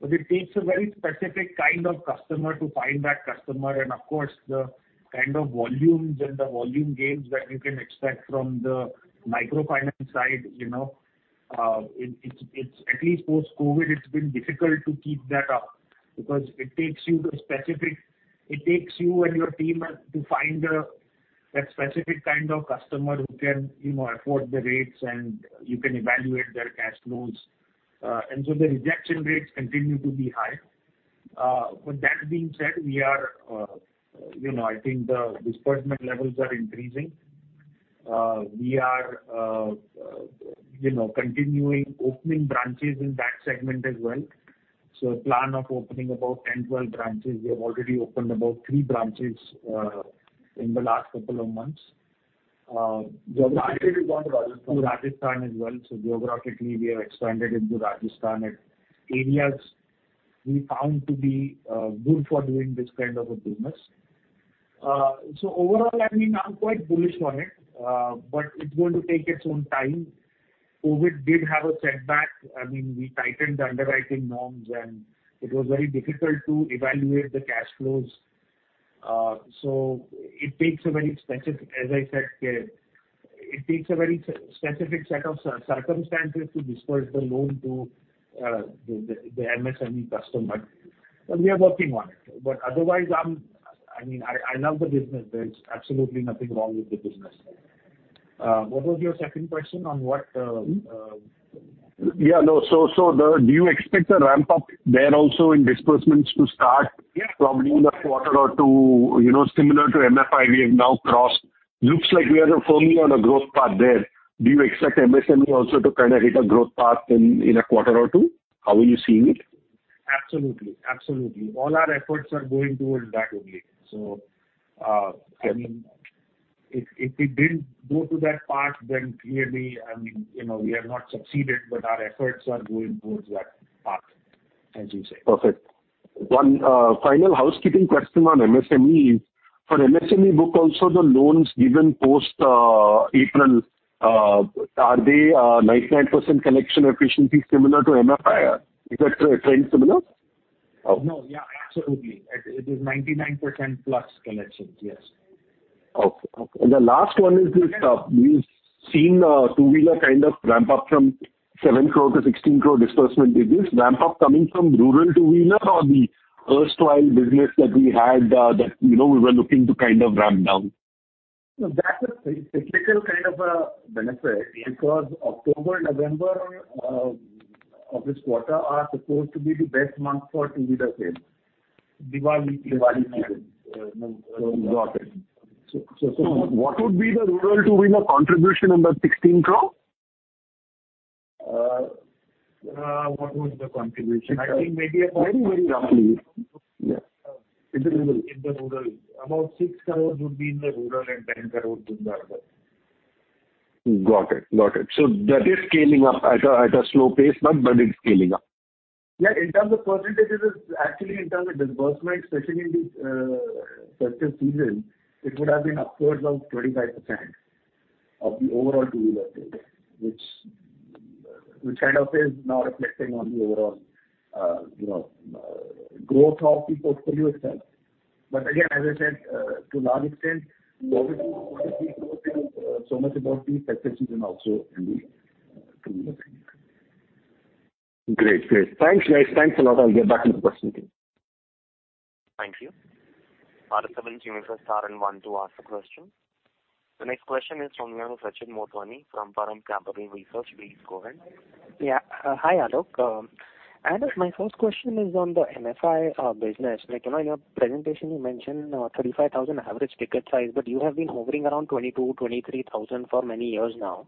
But it takes a very specific kind of customer to find that customer, and of course, the kind of volumes and the volume gains that you can expect from the microfinance side, you know. It's at least post-COVID, it's been difficult to keep that up because it takes you the specific... It takes you and your team to find that specific kind of customer who can, you know, afford the rates and you can evaluate their cash flows. The rejection rates continue to be high. That being said, we are, you know, I think the disbursement levels are increasing. We are, you know, continuing opening branches in that segment as well. Plan of opening about 10, 12 branches. We have already opened about three branches in the last couple of months, geographically Rajasthan as well. Geographically, we have expanded into Rajasthan and areas we found to be good for doing this kind of a business. Overall, I mean, I'm quite bullish on it, but it's going to take its own time. COVID did have a setback. I mean, we tightened the underwriting norms, and it was very difficult to evaluate the cash flows. It takes a very specific, as I said, set of circumstances to disburse the loan to the MSME customer. We are working on it. Otherwise, I mean, I love the business. There is absolutely nothing wrong with the business. What was your second question? On what- Do you expect a ramp-up there also in disbursements to start? Yeah. Probably in a quarter or two, you know, similar to MFI we have now crossed. Looks like we are firmly on a growth path there. Do you expect MSME also to kind of hit a growth path in a quarter or two? How are you seeing it? Absolutely. All our efforts are going towards that only. I mean, if we didn't go to that path, then clearly, I mean, you know, we have not succeeded, but our efforts are going towards that path, as you say. Perfect. One final housekeeping question on MSME is for MSME book also the loans given post April are they 99% collection efficiency similar to MFI? Is that trend similar? No. Yeah, absolutely. It is 99% plus collections, yes. The last one is this, we've seen two-wheeler kind of ramp up from 7 crore-16 crore disbursement. Is this ramp up coming from rural two-wheeler or the erstwhile business that we had, you know, we were looking to kind of ramp down? No, that's a statistical kind of a benefit because October, November of this quarter are supposed to be the best months for two-wheeler sales. Diwali period, you know, so got it. What would be the rural two-wheeler contribution in the 16 crore? What was the contribution? I think maybe about- Very, very roughly. Yeah. In the rural. In the rural. About 6 crore would be in the rural and 10 crore in the urban. Got it. That is scaling up at a slow pace, but it's scaling up. Yeah. In terms of percentages, actually in terms of disbursement, especially in the festive season, it would have been upwards of 25% of the overall two-wheeler sales, which kind of is now reflecting on the overall, you know, growth of the portfolio itself. But again, as I said, to a large extent, obviously it says so much about the festive season also in the two-wheeler segment. Great. Thanks, guys. Thanks a lot. I'll get back into questioning. Thank you. Operator, please unmute star and one to ask a question. The next question is from the line of Sachin Motwani from Param Capital Research. Please go ahead. Yeah. Hi, Alok. Alok, my first question is on the MFI business. Like, you know, in your presentation you mentioned 35,000 average ticket size, but you have been hovering around 22,000-23,000 for many years now.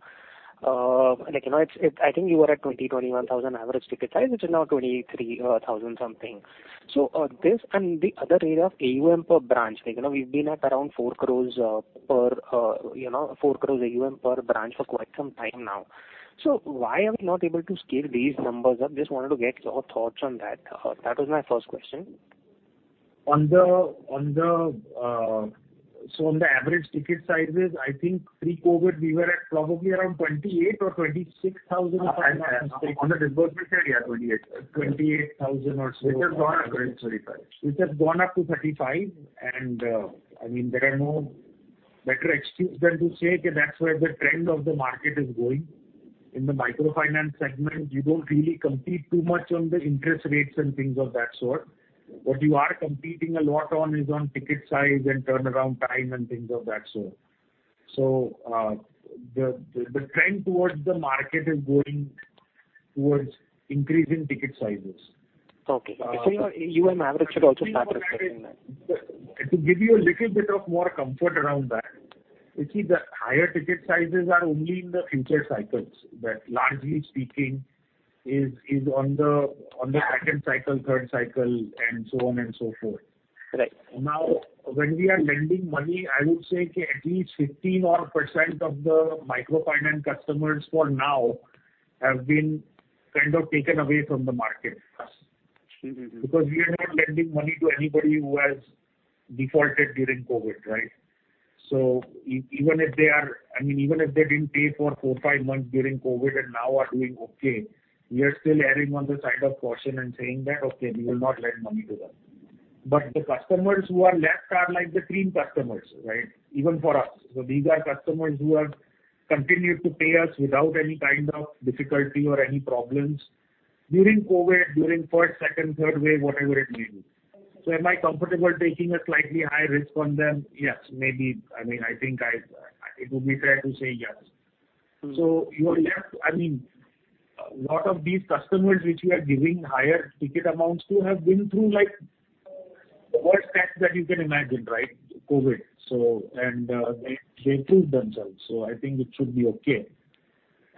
Like, you know, it's. I think you were at 20,000-21,000 average ticket size, which is now 23,000 something. So, this and the other rate of AUM per branch, like, you know, we've been at around 4 crore per, you know, 4 crore AUM per branch for quite some time now. So why are we not able to scale these numbers up? Just wanted to get your thoughts on that. That was my first question. On the average ticket sizes, I think pre-COVID we were at probably around 28,000 or 26,000, if I'm not mistaken. On the disbursement side, yeah, 28. 28,000 or so. Which has gone up to 35%. Which has gone up to 35%. I mean, there are no better excuse than to say that's where the trend of the market is going. In the microfinance segment, you don't really compete too much on the interest rates and things of that sort. What you are competing a lot on is on ticket size and turnaround time and things of that sort. The trend towards the market is going towards increasing ticket sizes. Okay. Your AUM average should also start reflecting that. To give you a little bit more comfort around that, you see the higher ticket sizes are only in the future cycles. Largely speaking, it is on the second cycle, third cycle and so on and so forth. Right. Now, when we are lending money, I would say at least 15%-odd of the microfinance customers for now have been kind of taken away from the market. Because we are not lending money to anybody who has defaulted during COVID, right? Even if they are, I mean, even if they didn't pay for four, five months during COVID and now are doing okay, we are still erring on the side of caution and saying that, "Okay, we will not lend money to them." The customers who are left are like the clean customers, right? Even for us. These are customers who have continued to pay us without any kind of difficulty or any problems during COVID, during first, second, third wave, whatever it may be. Am I comfortable taking a slightly higher risk on them? Yes, maybe. I mean, I think it would be fair to say yes. You are left. I mean, a lot of these customers which we are giving higher ticket amounts to have been through like the worst test that you can imagine, right? COVID. They proved themselves, so I think it should be okay.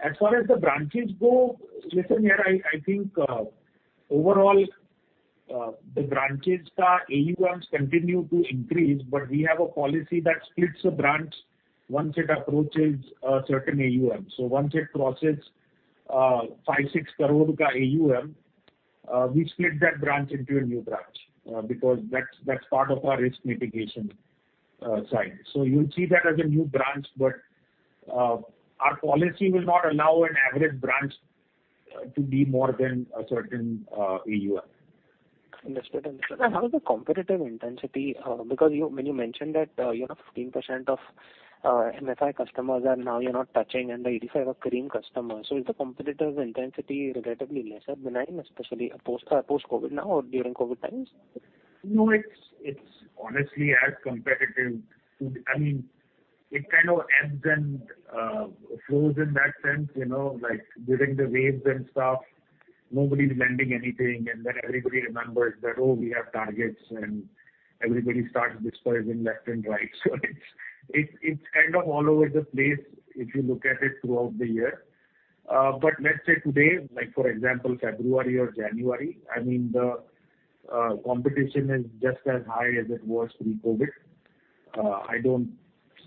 As far as the branches go, listen here, I think overall the branches, the AUMs continue to increase, but we have a policy that splits the branch once it approaches a certain AUM. Once it crosses 5-6 crore ka AUM, we split that branch into a new branch because that's part of our risk mitigation side. You'll see that as a new branch, but our policy will not allow an average branch to be more than a certain AUM. Understood. How is the competitive intensity? Because when you mentioned that, you know, 15% of MFI customers are now you're not touching and the 85 are clean customers. Is the competitive intensity relatively lesser, benign, especially post-COVID now or during COVID times? No, it's honestly as competitive. I mean, it kind of ebbs and flows in that sense, you know, like during the waves and stuff, nobody's lending anything, and then everybody remembers that, oh, we have targets, and everybody starts disbursing left and right. It's kind of all over the place, if you look at it throughout the year. Let's say today, like for example, February or January, I mean, the competition is just as high as it was pre-COVID. I don't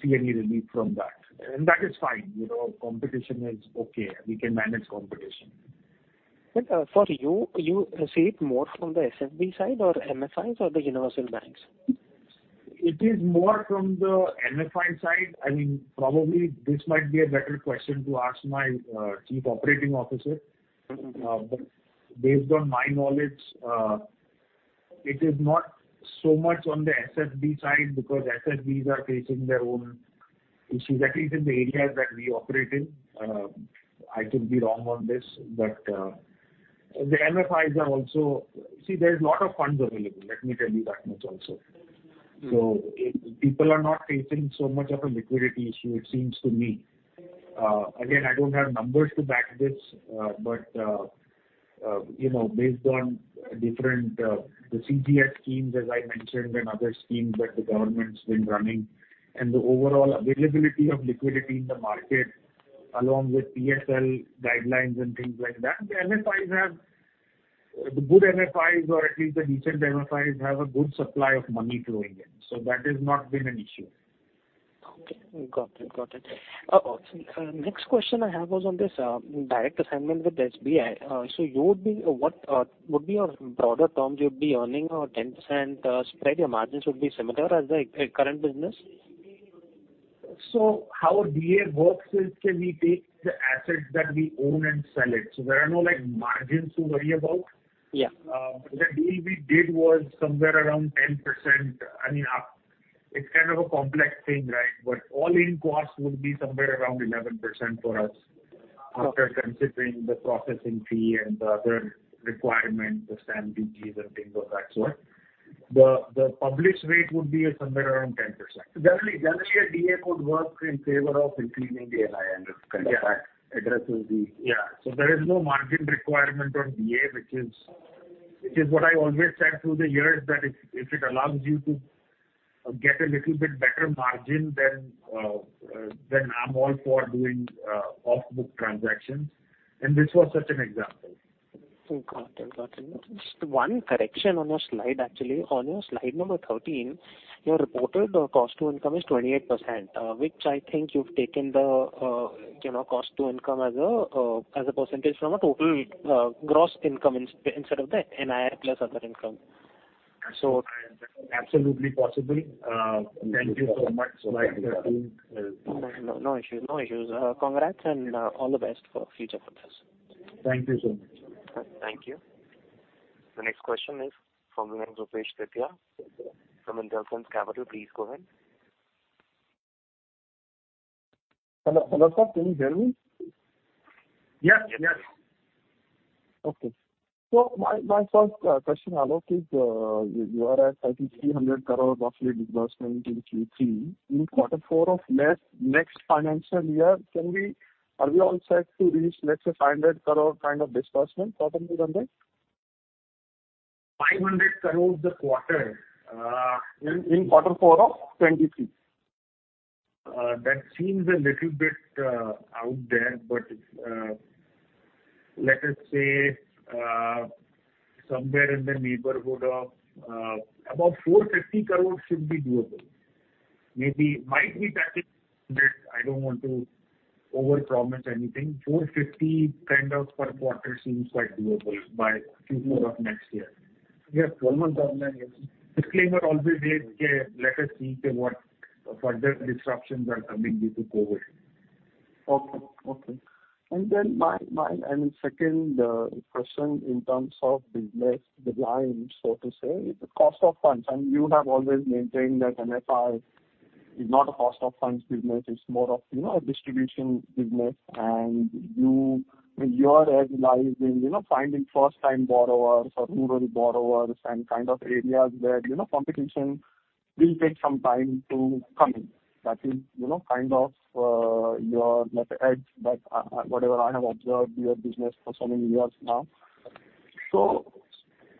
see any relief from that, and that is fine. You know, competition is okay. We can manage competition. for you see it more from the SFB side or MFIs or the universal banks? It is more from the MFI side. I mean, probably this might be a better question to ask my Chief Operating Officer. But based on my knowledge, it is not so much on the SFB side because SFBs are facing their own issues, at least in the areas that we operate in. I could be wrong on this, but the MFIs are also. See, there's a lot of funds available, let me tell you that much also. People are not facing so much of a liquidity issue, it seems to me. Again, I don't have numbers to back this, but you know, based on the CGS schemes, as I mentioned, and other schemes that the government's been running and the overall availability of liquidity in the market, along with PSL guidelines and things like that, the MFIs have. The good MFIs or at least the decent MFIs have a good supply of money flowing in, so that has not been an issue. Okay. Got it. Next question I have was on this direct assignment with SBI. What would be your broader terms? You'd be earning a 10% spread? Your margins would be similar as the current business? How DA works is can we take the assets that we own and sell it. There are no, like, margins to worry about. Yeah. The deal we did was somewhere around 10%. I mean, it's kind of a complex thing, right? All-in cost would be somewhere around 11% for us after considering the processing fee and the other requirements, the stamp duties and things of that sort. The published rate would be somewhere around 10%. Generally, a DA could work in favor of increasing the NII and kind of addresses the Yeah. There is no margin requirement on DA, which is what I always said through the years, that if it allows you to get a little bit better margin then I'm all for doing off-book transactions, and this was such an example. Got it. Just one correction on your slide, actually. On your Slide number 13, your reported cost to income is 28%, which I think you've taken the, you know, cost to income as a, as a percentage from a total, gross income instead of the NII plus other income. Absolutely possible. Thank you so much for highlighting. No issues. Congrats and all the best for future purpose. Thank you so much. Thank you. The next question is from Rupesh Tatiya from Intellect Capital. Please go ahead. Hello, hello, sir. Can you hear me? Yes, yes. Okay. My first question, Alok, is you are at roughly INR 300 crore roughly disbursement in Q3. In quarter four of next financial year, are we all set to reach let's say 500 crore kind of disbursement, approximately? 500 crore this quarter. In quarter four of 2023. That seems a little bit out there, but let us say somewhere in the neighborhood of about 450 crore should be doable. Maybe might be that I don't want to overpromise anything. 450 crore kind of per quarter seems quite doable by Q4 of next year. Yes, 12 months from now, yes. Disclaimer always is, let us see what further disruptions are coming due to COVID. Okay. Then my second question in terms of business designs, so to say, is the cost of funds. You have always maintained that MFI is not a cost of funds business. It's more of, you know, a distribution business. Your edge lies in, you know, finding first-time borrowers or rural borrowers and kind of areas where, you know, competition will take some time to come in. That is, you know, kind of, your, let's say edge that, whatever I have observed your business for so many years now.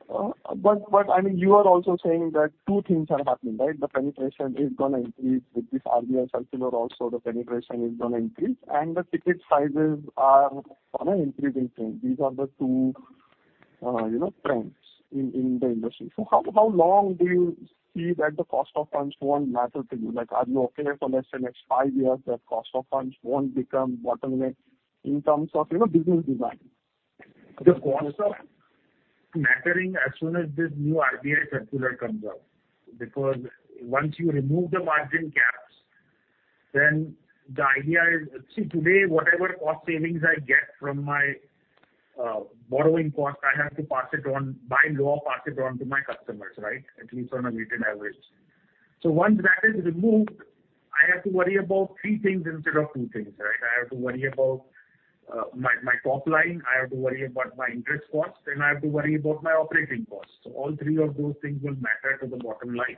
But I mean, you are also saying that two things are happening, right? The penetration is gonna increase with this RBI circular also the penetration is gonna increase and the ticket sizes are, you know, increasing. These are the two, you know, trends in the industry. How long do you see that the cost of funds won't matter to you? Like, are you okay for let's say next five years that cost of funds won't become bottleneck in terms of, you know, business design? The costs mattering as soon as this new RBI circular comes out. Because once you remove the margin caps, then the idea is. See, today whatever cost savings I get from my borrowing cost, I have to pass it on, by law, pass it on to my customers, right? At least on a weighted average. Once that is removed, I have to worry about three things instead of two things, right? I have to worry about my top line, I have to worry about my interest costs, and I have to worry about my operating costs. All three of those things will matter to the bottom line.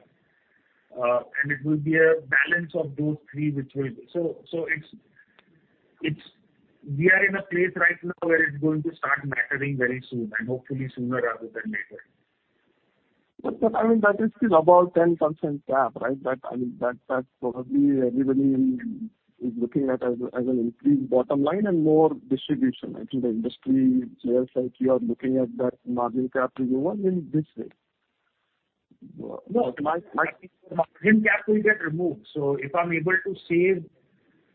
It will be a balance of those three which will be. We are in a place right now where it's going to start mattering very soon, and hopefully sooner rather than later. I mean, that is still about 10% cap, right? That, I mean, that probably everybody is looking at as an increased bottom line and more distribution. I think the industry players like you are looking at that margin cap removal in this way. No, my margin cap will get removed. If I'm able to save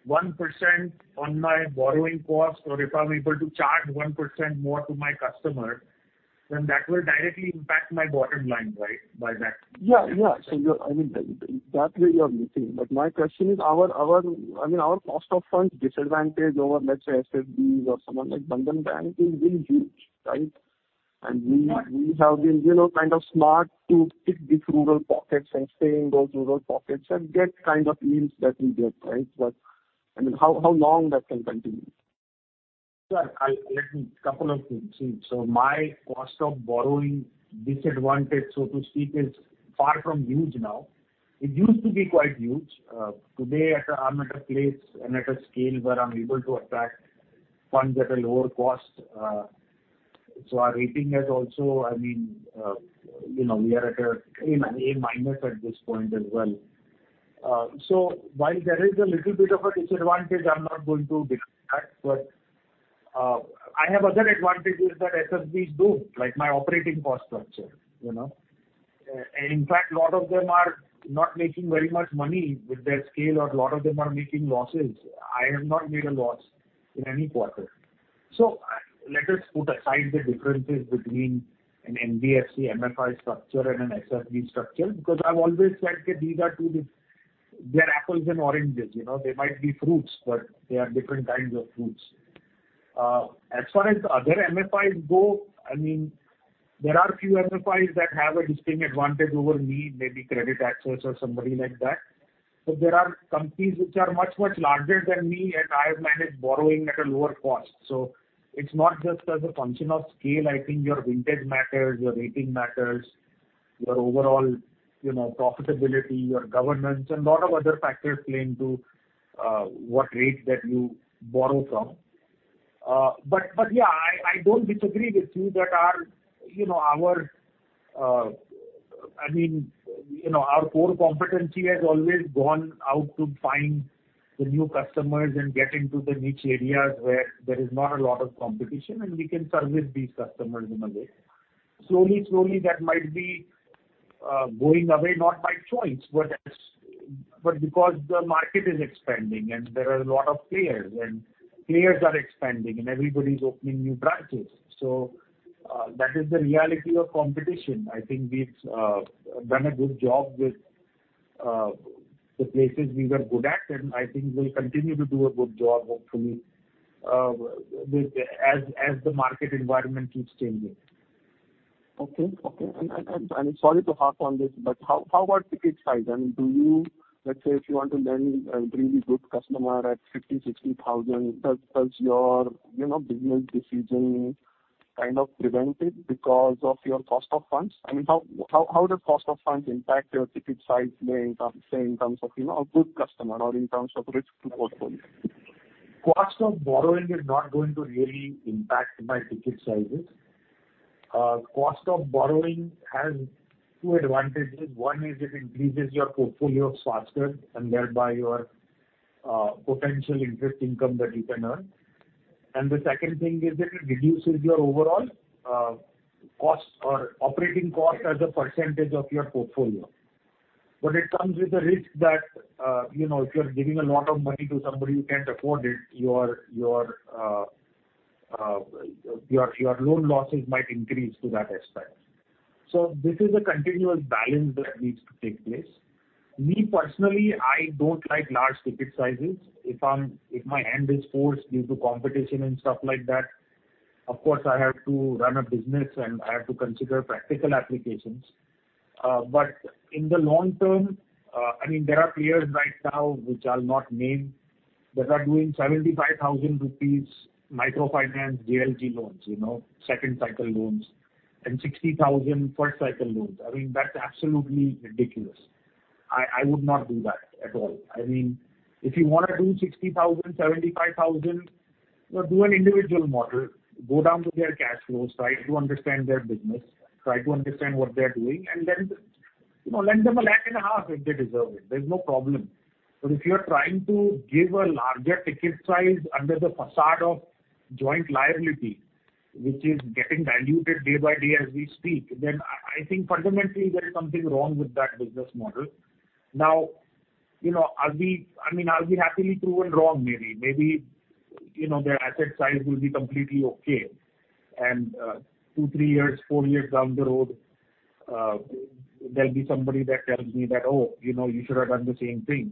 1% on my borrowing cost or if I'm able to charge 1% more to my customer, then that will directly impact my bottom line, right? By that. Yeah, yeah. You're, I mean, that way you are looking. But my question is, I mean, our cost of funds disadvantage over, let's say, SFBs or someone like Bandhan Bank is really huge, right? Yeah. We have been, you know, kind of smart to pick these rural pockets and stay in those rural pockets and get kind of yields that we get, right? I mean, how long that can continue? Sure. Let me couple of things. My cost of borrowing disadvantage, so to speak, is far from huge now. It used to be quite huge. Today I'm at a place and at a scale where I'm able to attract funds at a lower cost. Our rating has also, I mean, you know, we are at an A- at this point as well. While there is a little bit of a disadvantage, I'm not going to deny that, but I have other advantages that SFBs do, like my operating cost structure, you know. In fact, a lot of them are not making very much money with their scale, or a lot of them are making losses. I have not made a loss in any quarter. Let us put aside the differences between an NBFC-MFI structure and an SFB structure because I've always said that these are two they are apples and oranges, you know. They might be fruits, but they are different kinds of fruits. As far as other MFIs go, I mean, there are few MFIs that have a distinct advantage over me, maybe CreditAccess Grameen or somebody like that. But there are companies which are much, much larger than me, and I have managed borrowing at a lower cost. It's not just as a function of scale. I think your vintage matters, your rating matters, your overall, you know, profitability, your governance, and lot of other factors play into what rate that you borrow from. Yeah, I don't disagree with you that our, you know, our, I mean, you know, our core competency has always gone out to find the new customers and get into the niche areas where there is not a lot of competition and we can service these customers in a way. Slowly that might be going away not by choice, but because the market is expanding and there are a lot of players and players are expanding and everybody's opening new branches. That is the reality of competition. I think we've done a good job with the places we were good at and I think we'll continue to do a good job hopefully with as the market environment keeps changing. Okay. Sorry to harp on this, but how are ticket size? I mean, let's say if you want to lend a really good customer at 50,000-60,000, does your, you know, business decision kind of prevent it because of your cost of funds? I mean, how does cost of funds impact your ticket size, say in terms of, you know, a good customer or in terms of risk to portfolio? Cost of borrowing is not going to really impact my ticket sizes. Cost of borrowing has two advantages. One is it increases your portfolio faster and thereby your potential interest income that you can earn. The second thing is that it reduces your overall cost or operating cost as a percentage of your portfolio. It comes with a risk that you know if you are giving a lot of money to somebody who can't afford it, your loan losses might increase to that extent. This is a continuous balance that needs to take place. Me personally, I don't like large ticket sizes. If my hand is forced due to competition and stuff like that, of course I have to run a business and I have to consider practical applications. In the long term, I mean, there are peers right now which I'll not name that are doing 75,000 rupees microfinance JLG loans, you know, second cycle loans and 60,000 first cycle loans. I mean, that's absolutely ridiculous. I would not do that at all. I mean, if you wanna do 60,000, 75,000, do an individual model, go down to their cash flows, try to understand their business, try to understand what they're doing, and then, you know, lend them 1.5 lakh if they deserve it. There's no problem. If you are trying to give a larger ticket size under the facade of joint liability, which is getting diluted day by day as we speak, then I think fundamentally there is something wrong with that business model. Now, you know, I'll be happily proven wrong maybe. Maybe, you know, their asset size will be completely okay and two, three years, four years down the road, there'll be somebody that tells me that, "Oh, you know, you should have done the same thing.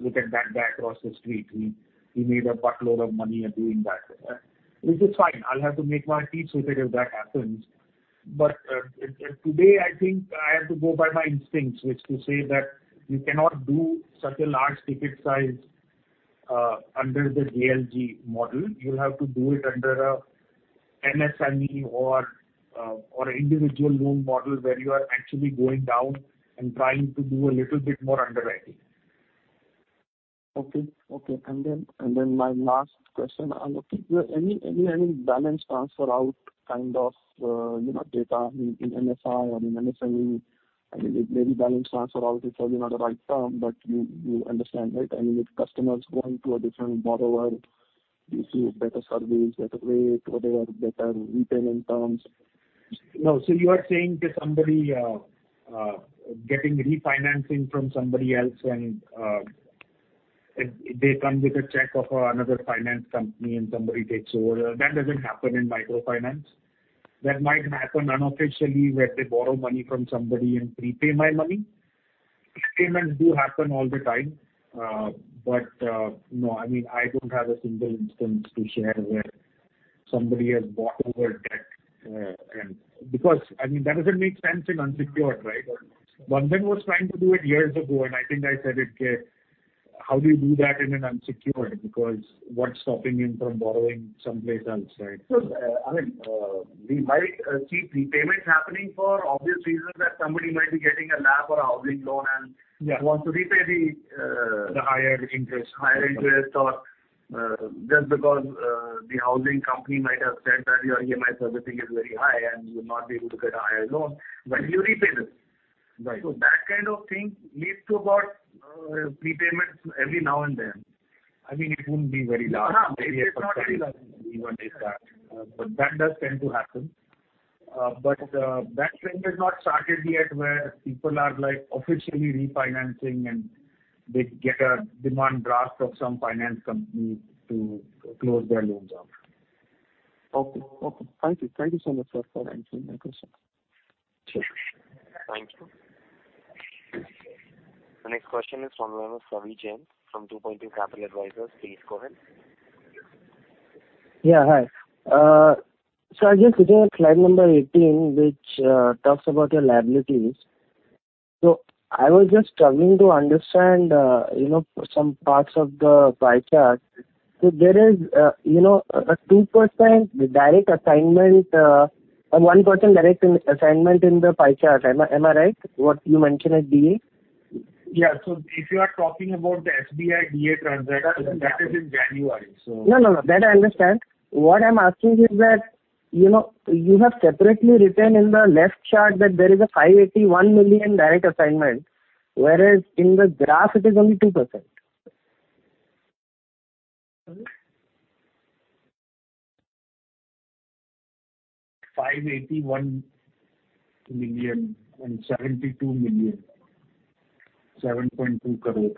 Look at that guy across the street. He made a butt load of money at doing that." Which is fine. I'll have to make my peace with it if that happens. Today I think I have to go by my instincts, which is to say that you cannot do such a large ticket size under the JLG model. You have to do it under a MSME or individual loan model where you are actually going down and trying to do a little bit more underwriting. My last question. Are there any balance transfer out kind of, you know, data in MFI or in MSME? I mean, maybe balance transfer out is probably not the right term, but you understand, right? I mean, if customer is going to a different borrower due to better service, better rate or there are better repayment terms. No. You are saying that somebody getting refinancing from somebody else and they come with a check of another finance company and somebody takes over. That doesn't happen in microfinance. That might happen unofficially where they borrow money from somebody and prepay my money. These payments do happen all the time. But no, I mean, I don't have a single instance to share where somebody has bought over debt and because I mean, that doesn't make sense in unsecured, right? Bandhan was trying to do it years ago, and I think I said it, "How do you do that in an unsecured? Because what's stopping him from borrowing someplace else," right? I mean, we might see prepayments happening for obvious reasons that somebody might be getting a loan or a housing loan and- Yeah. -wants to repay the, uh- The higher interest. Higher interest or, just because, the housing company might have said that your EMI servicing is very high and you will not be able to get a higher loan. Why don't you repay this? Right. That kind of thing leads to about, prepayments every now and then. I mean, it wouldn't be very large. No, it's not very large. Maybe a percent or even less than that. That does tend to happen. That trend has not started yet where people are like officially refinancing and they get a demand draft of some finance company to close their loans off. Okay. Thank you so much for answering my questions. Sure. Thank you. The next question is from Savi Jain from 2Point2 Capital Advisors. Please go ahead. Yeah, hi. I guess looking at slide number 18, which talks about your liabilities. There is, you know, a 2% direct assignment and 1% direct assignment in the pie chart. Am I right? What you mentioned as DA? Yeah. If you are talking about the SBI DA transaction, that is in January. No, no. That I understand. What I'm asking is that, you know, you have separately written in the left chart that there is 581 million direct assignment, whereas in the graph it is only 2%. 581 million and 72 million. 7.2 crore.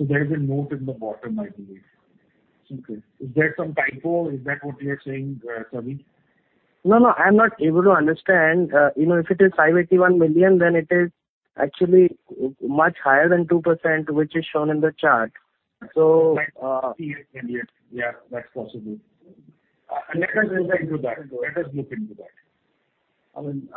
There is a note at the bottom, I believe. Okay. Is there some typo? Is that what you're saying, Savi? No, no, I'm not able to understand. You know, if it is 581 million, then it is actually much higher than 2%, which is shown in the chart. Like INR 58 million. Yeah, that's possible. Let us look into that. I mean,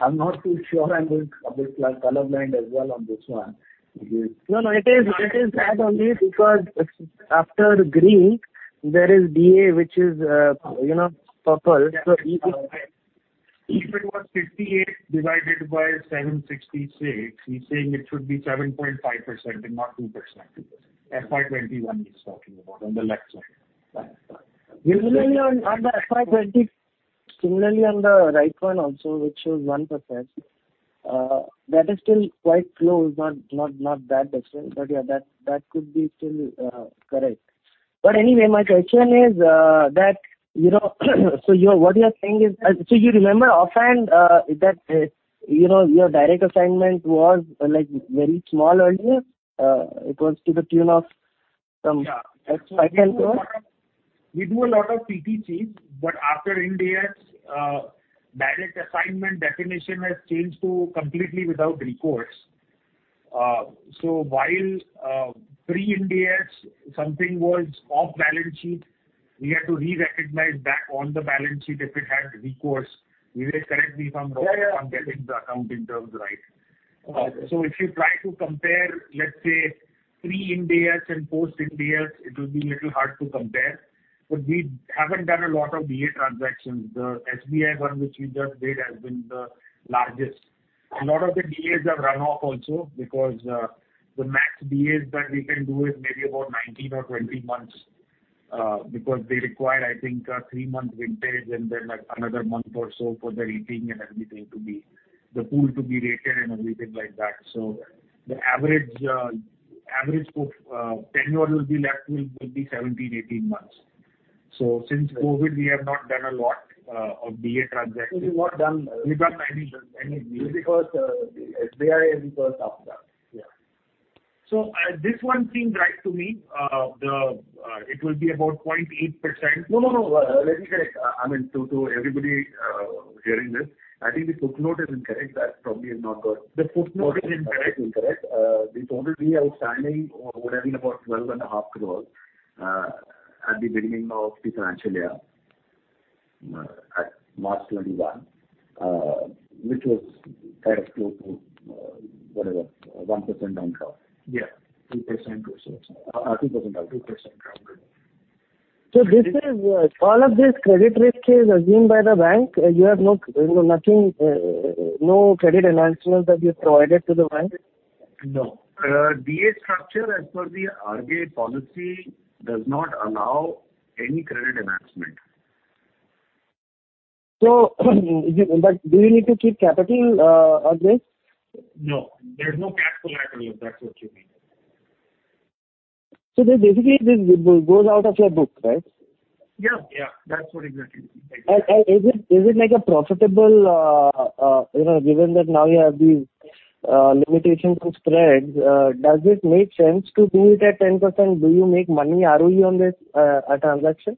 I'm not too sure. I'm a bit, like, color blind as well on this one. No, it is that only because after green there is DA, which is, you know, purple. So if- If it was 58 divided by 766, he's saying it should be 7.5% and not 2%. FY 2021, he's talking about on the left side. Usually on the FY 2020. Similarly on the right one also, which shows 1%, that is still quite close, not that different. Yeah, that could be still correct. Anyway, my question is, you know, what you're saying is. You remember often, you know, your direct assignment was like very small earlier. It was to the tune of some- Yeah. INR 10 crore. We do a lot of PTC, but after Ind AS, direct assignment definition has changed to completely without recourse. While pre Ind AS something was off balance sheet, we had to re-recognize that on the balance sheet if it had recourse. We were correctly, if I'm wrong. Yeah, yeah. On getting the accounting terms right. Okay. If you try to compare, let's say pre Ind AS and post Ind AS, it will be little hard to compare, but we haven't done a lot of DA transactions. The SBI one, which we just did, has been the largest. A lot of the DAs have run off also because the max DAs that we can do is maybe about 19 or 20 months because they require, I think, three-month vintage and then like another month or so for the rating and everything to be the pool to be rated and everything like that. The average tenure will be 17, 18 months. Since COVID- Right. We have not done a lot of DA transactions. You've not done. We've done maybe just any. Is it because, the SBI and because of that? Yeah. This one seems right to me. The it will be about 0.8%. No, no. Let me correct. I mean, to everybody hearing this. I think the footnote is incorrect. That probably has not got- The footnote is incorrect. The total DA outstanding would have been about 12.5 crores at the beginning of the financial year, at March 2021, which was kind of close to, whatever, 1% down south. Yeah. 2% or so. 2% down. 2% down. Good. This is all of this credit risk is assumed by the bank. You have no, you know, nothing, no credit enhancements that you've provided to the bank? No. DA structure as per the RBI policy does not allow any credit enhancement. Do you need to keep capital against? No, there's no capital at risk, if that's what you mean. This basically goes out of your book, right? Yeah. Yeah. That's what exactly. Is it like a profitable, you know, given that now you have these limitations to spreads, does it make sense to do it at 10%? Do you make money ROE on this transaction?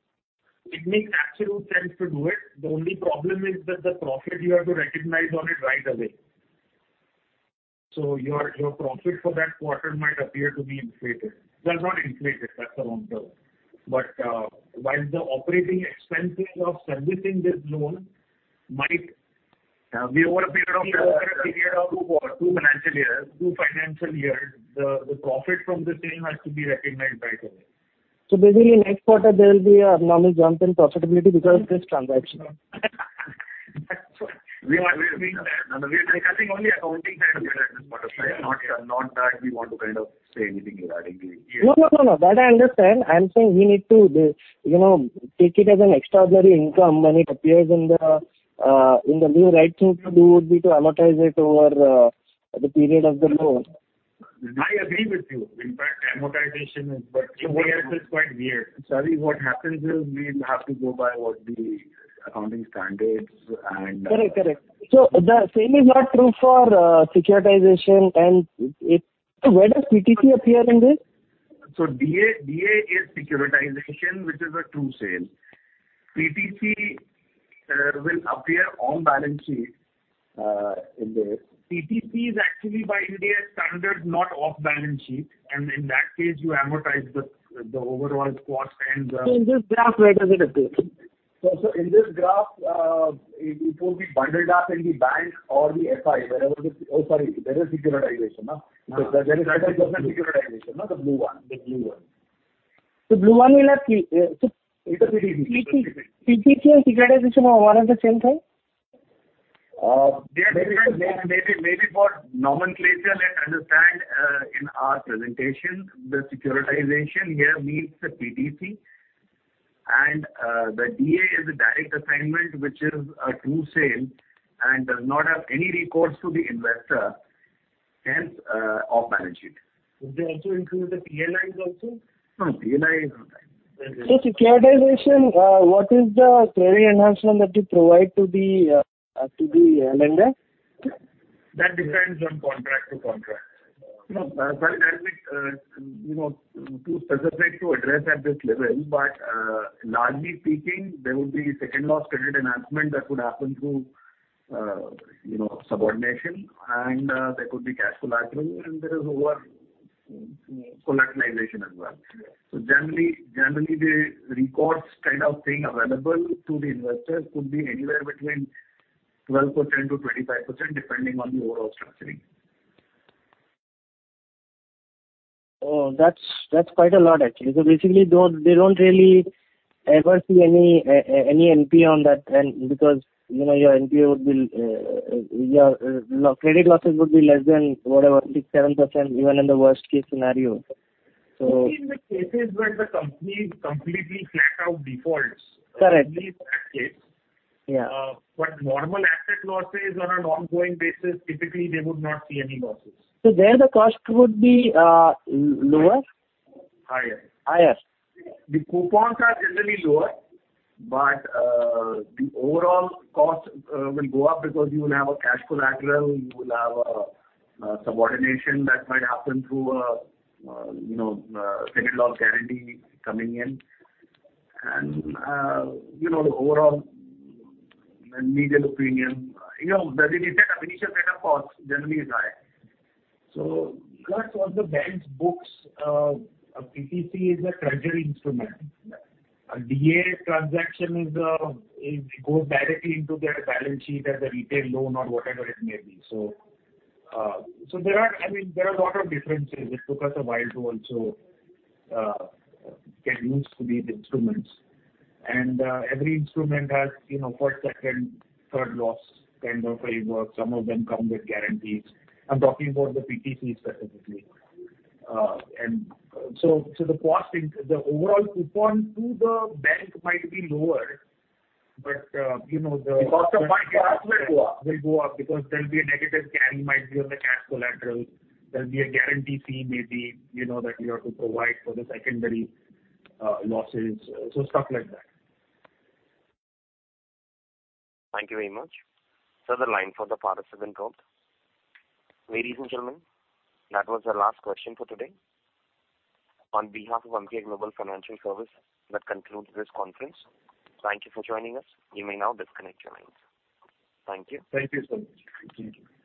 It makes absolute sense to do it. The only problem is that the profit you have to recognize on it right away. Your profit for that quarter might appear to be inflated. Well, not inflated. That's the wrong term. While the operating expenses of servicing this loan might be over a period of two financial years, the profit from the sale has to be recognized right away. Basically next quarter there will be a normal jump in profitability because of this transaction. That's right. We are recognizing only accounting side of it at this point of time. Not that we want to kind of say anything regarding the- No, no, no. That I understand. I'm saying we need to, you know, take it as an extraordinary income when it appears in the. The right thing to do would be to amortize it over the period of the loan. I agree with you. In fact, amortization is quite weird. Savi, what happens is we have to go by what the accounting standards and, Correct. Correct. The same is not true for securitization and it. Where does PTC appear in this? DA is securitization, which is a true sale. PTC will appear on balance sheet. in the- PTC is actually by Ind AS standard, not off balance sheet. In that case, you amortize the overall cost and the- In this graph, where does it appear? In this graph, it will be bundled up in the bank or the FI, wherever the. Oh, sorry. Where is securitization, no? No. There is securitization, no? The blue one. The blue one. Blue one we'll have to. It's a PTC. PTC. PTC and securitization are more or less the same thing? They are different. They maybe for nomenclature, let's understand, in our presentation, the securitization here means the PTC and the DA is a direct assignment which is a true sale and does not have any recourse to the investor, hence, off balance sheet. Could they also include the PLIs also? No. PLI is not there. Securitization, what is the credit enhancement that you provide to the lender? That depends on contract to contract. You know, well, I mean, you know, too specific to address at this level, but, largely speaking, there would be second loss credit enhancement that could happen through, you know, subordination and, there could be cash collateral and there is over collateralization as well. Generally, the recourse kind of thing available to the investor could be anywhere between 12%-25% depending on the overall structuring. Oh, that's quite a lot actually. Basically they don't really ever see any NPA on that then because, you know, your NPA would be your credit losses would be less than whatever 6%-7% even in the worst-case scenario. Only in the cases where the company completely flat out defaults. Correct. Only in that case. Yeah. Normal asset losses on an ongoing basis, typically they would not see any losses. There the cost would be lower? Higher. Higher. The coupons are generally lower, but the overall cost will go up because you will have a cash collateral, you will have a subordination that might happen through you know, second loss guarantee coming in. You know, the overall legal opinion, you know, the initial setup cost generally is high. Plus on the bank's books, a PTC is a treasury instrument. A DA transaction is, it goes directly into their balance sheet as a retail loan or whatever it may be. There are, I mean, there are a lot of differences. It took us a while to also get used to these instruments. Every instrument has, you know, first, second, third loss kind of framework. Some of them come with guarantees. I'm talking about the PTC specifically. The costing, the overall coupon to the bank might be lower. You know, the cost of buying the asset go up. will go up because there'll be a negative carry might be on the cash collateral. There'll be a guarantee fee maybe, you know, that you have to provide for the secondary losses. So stuff like that. Thank you very much. The line for the participant called. Ladies and gentlemen, that was our last question for today. On behalf of Emkay Global Financial Services, that concludes this conference. Thank you for joining us. You may now disconnect your lines. Thank you. Thank you so much. Thank you.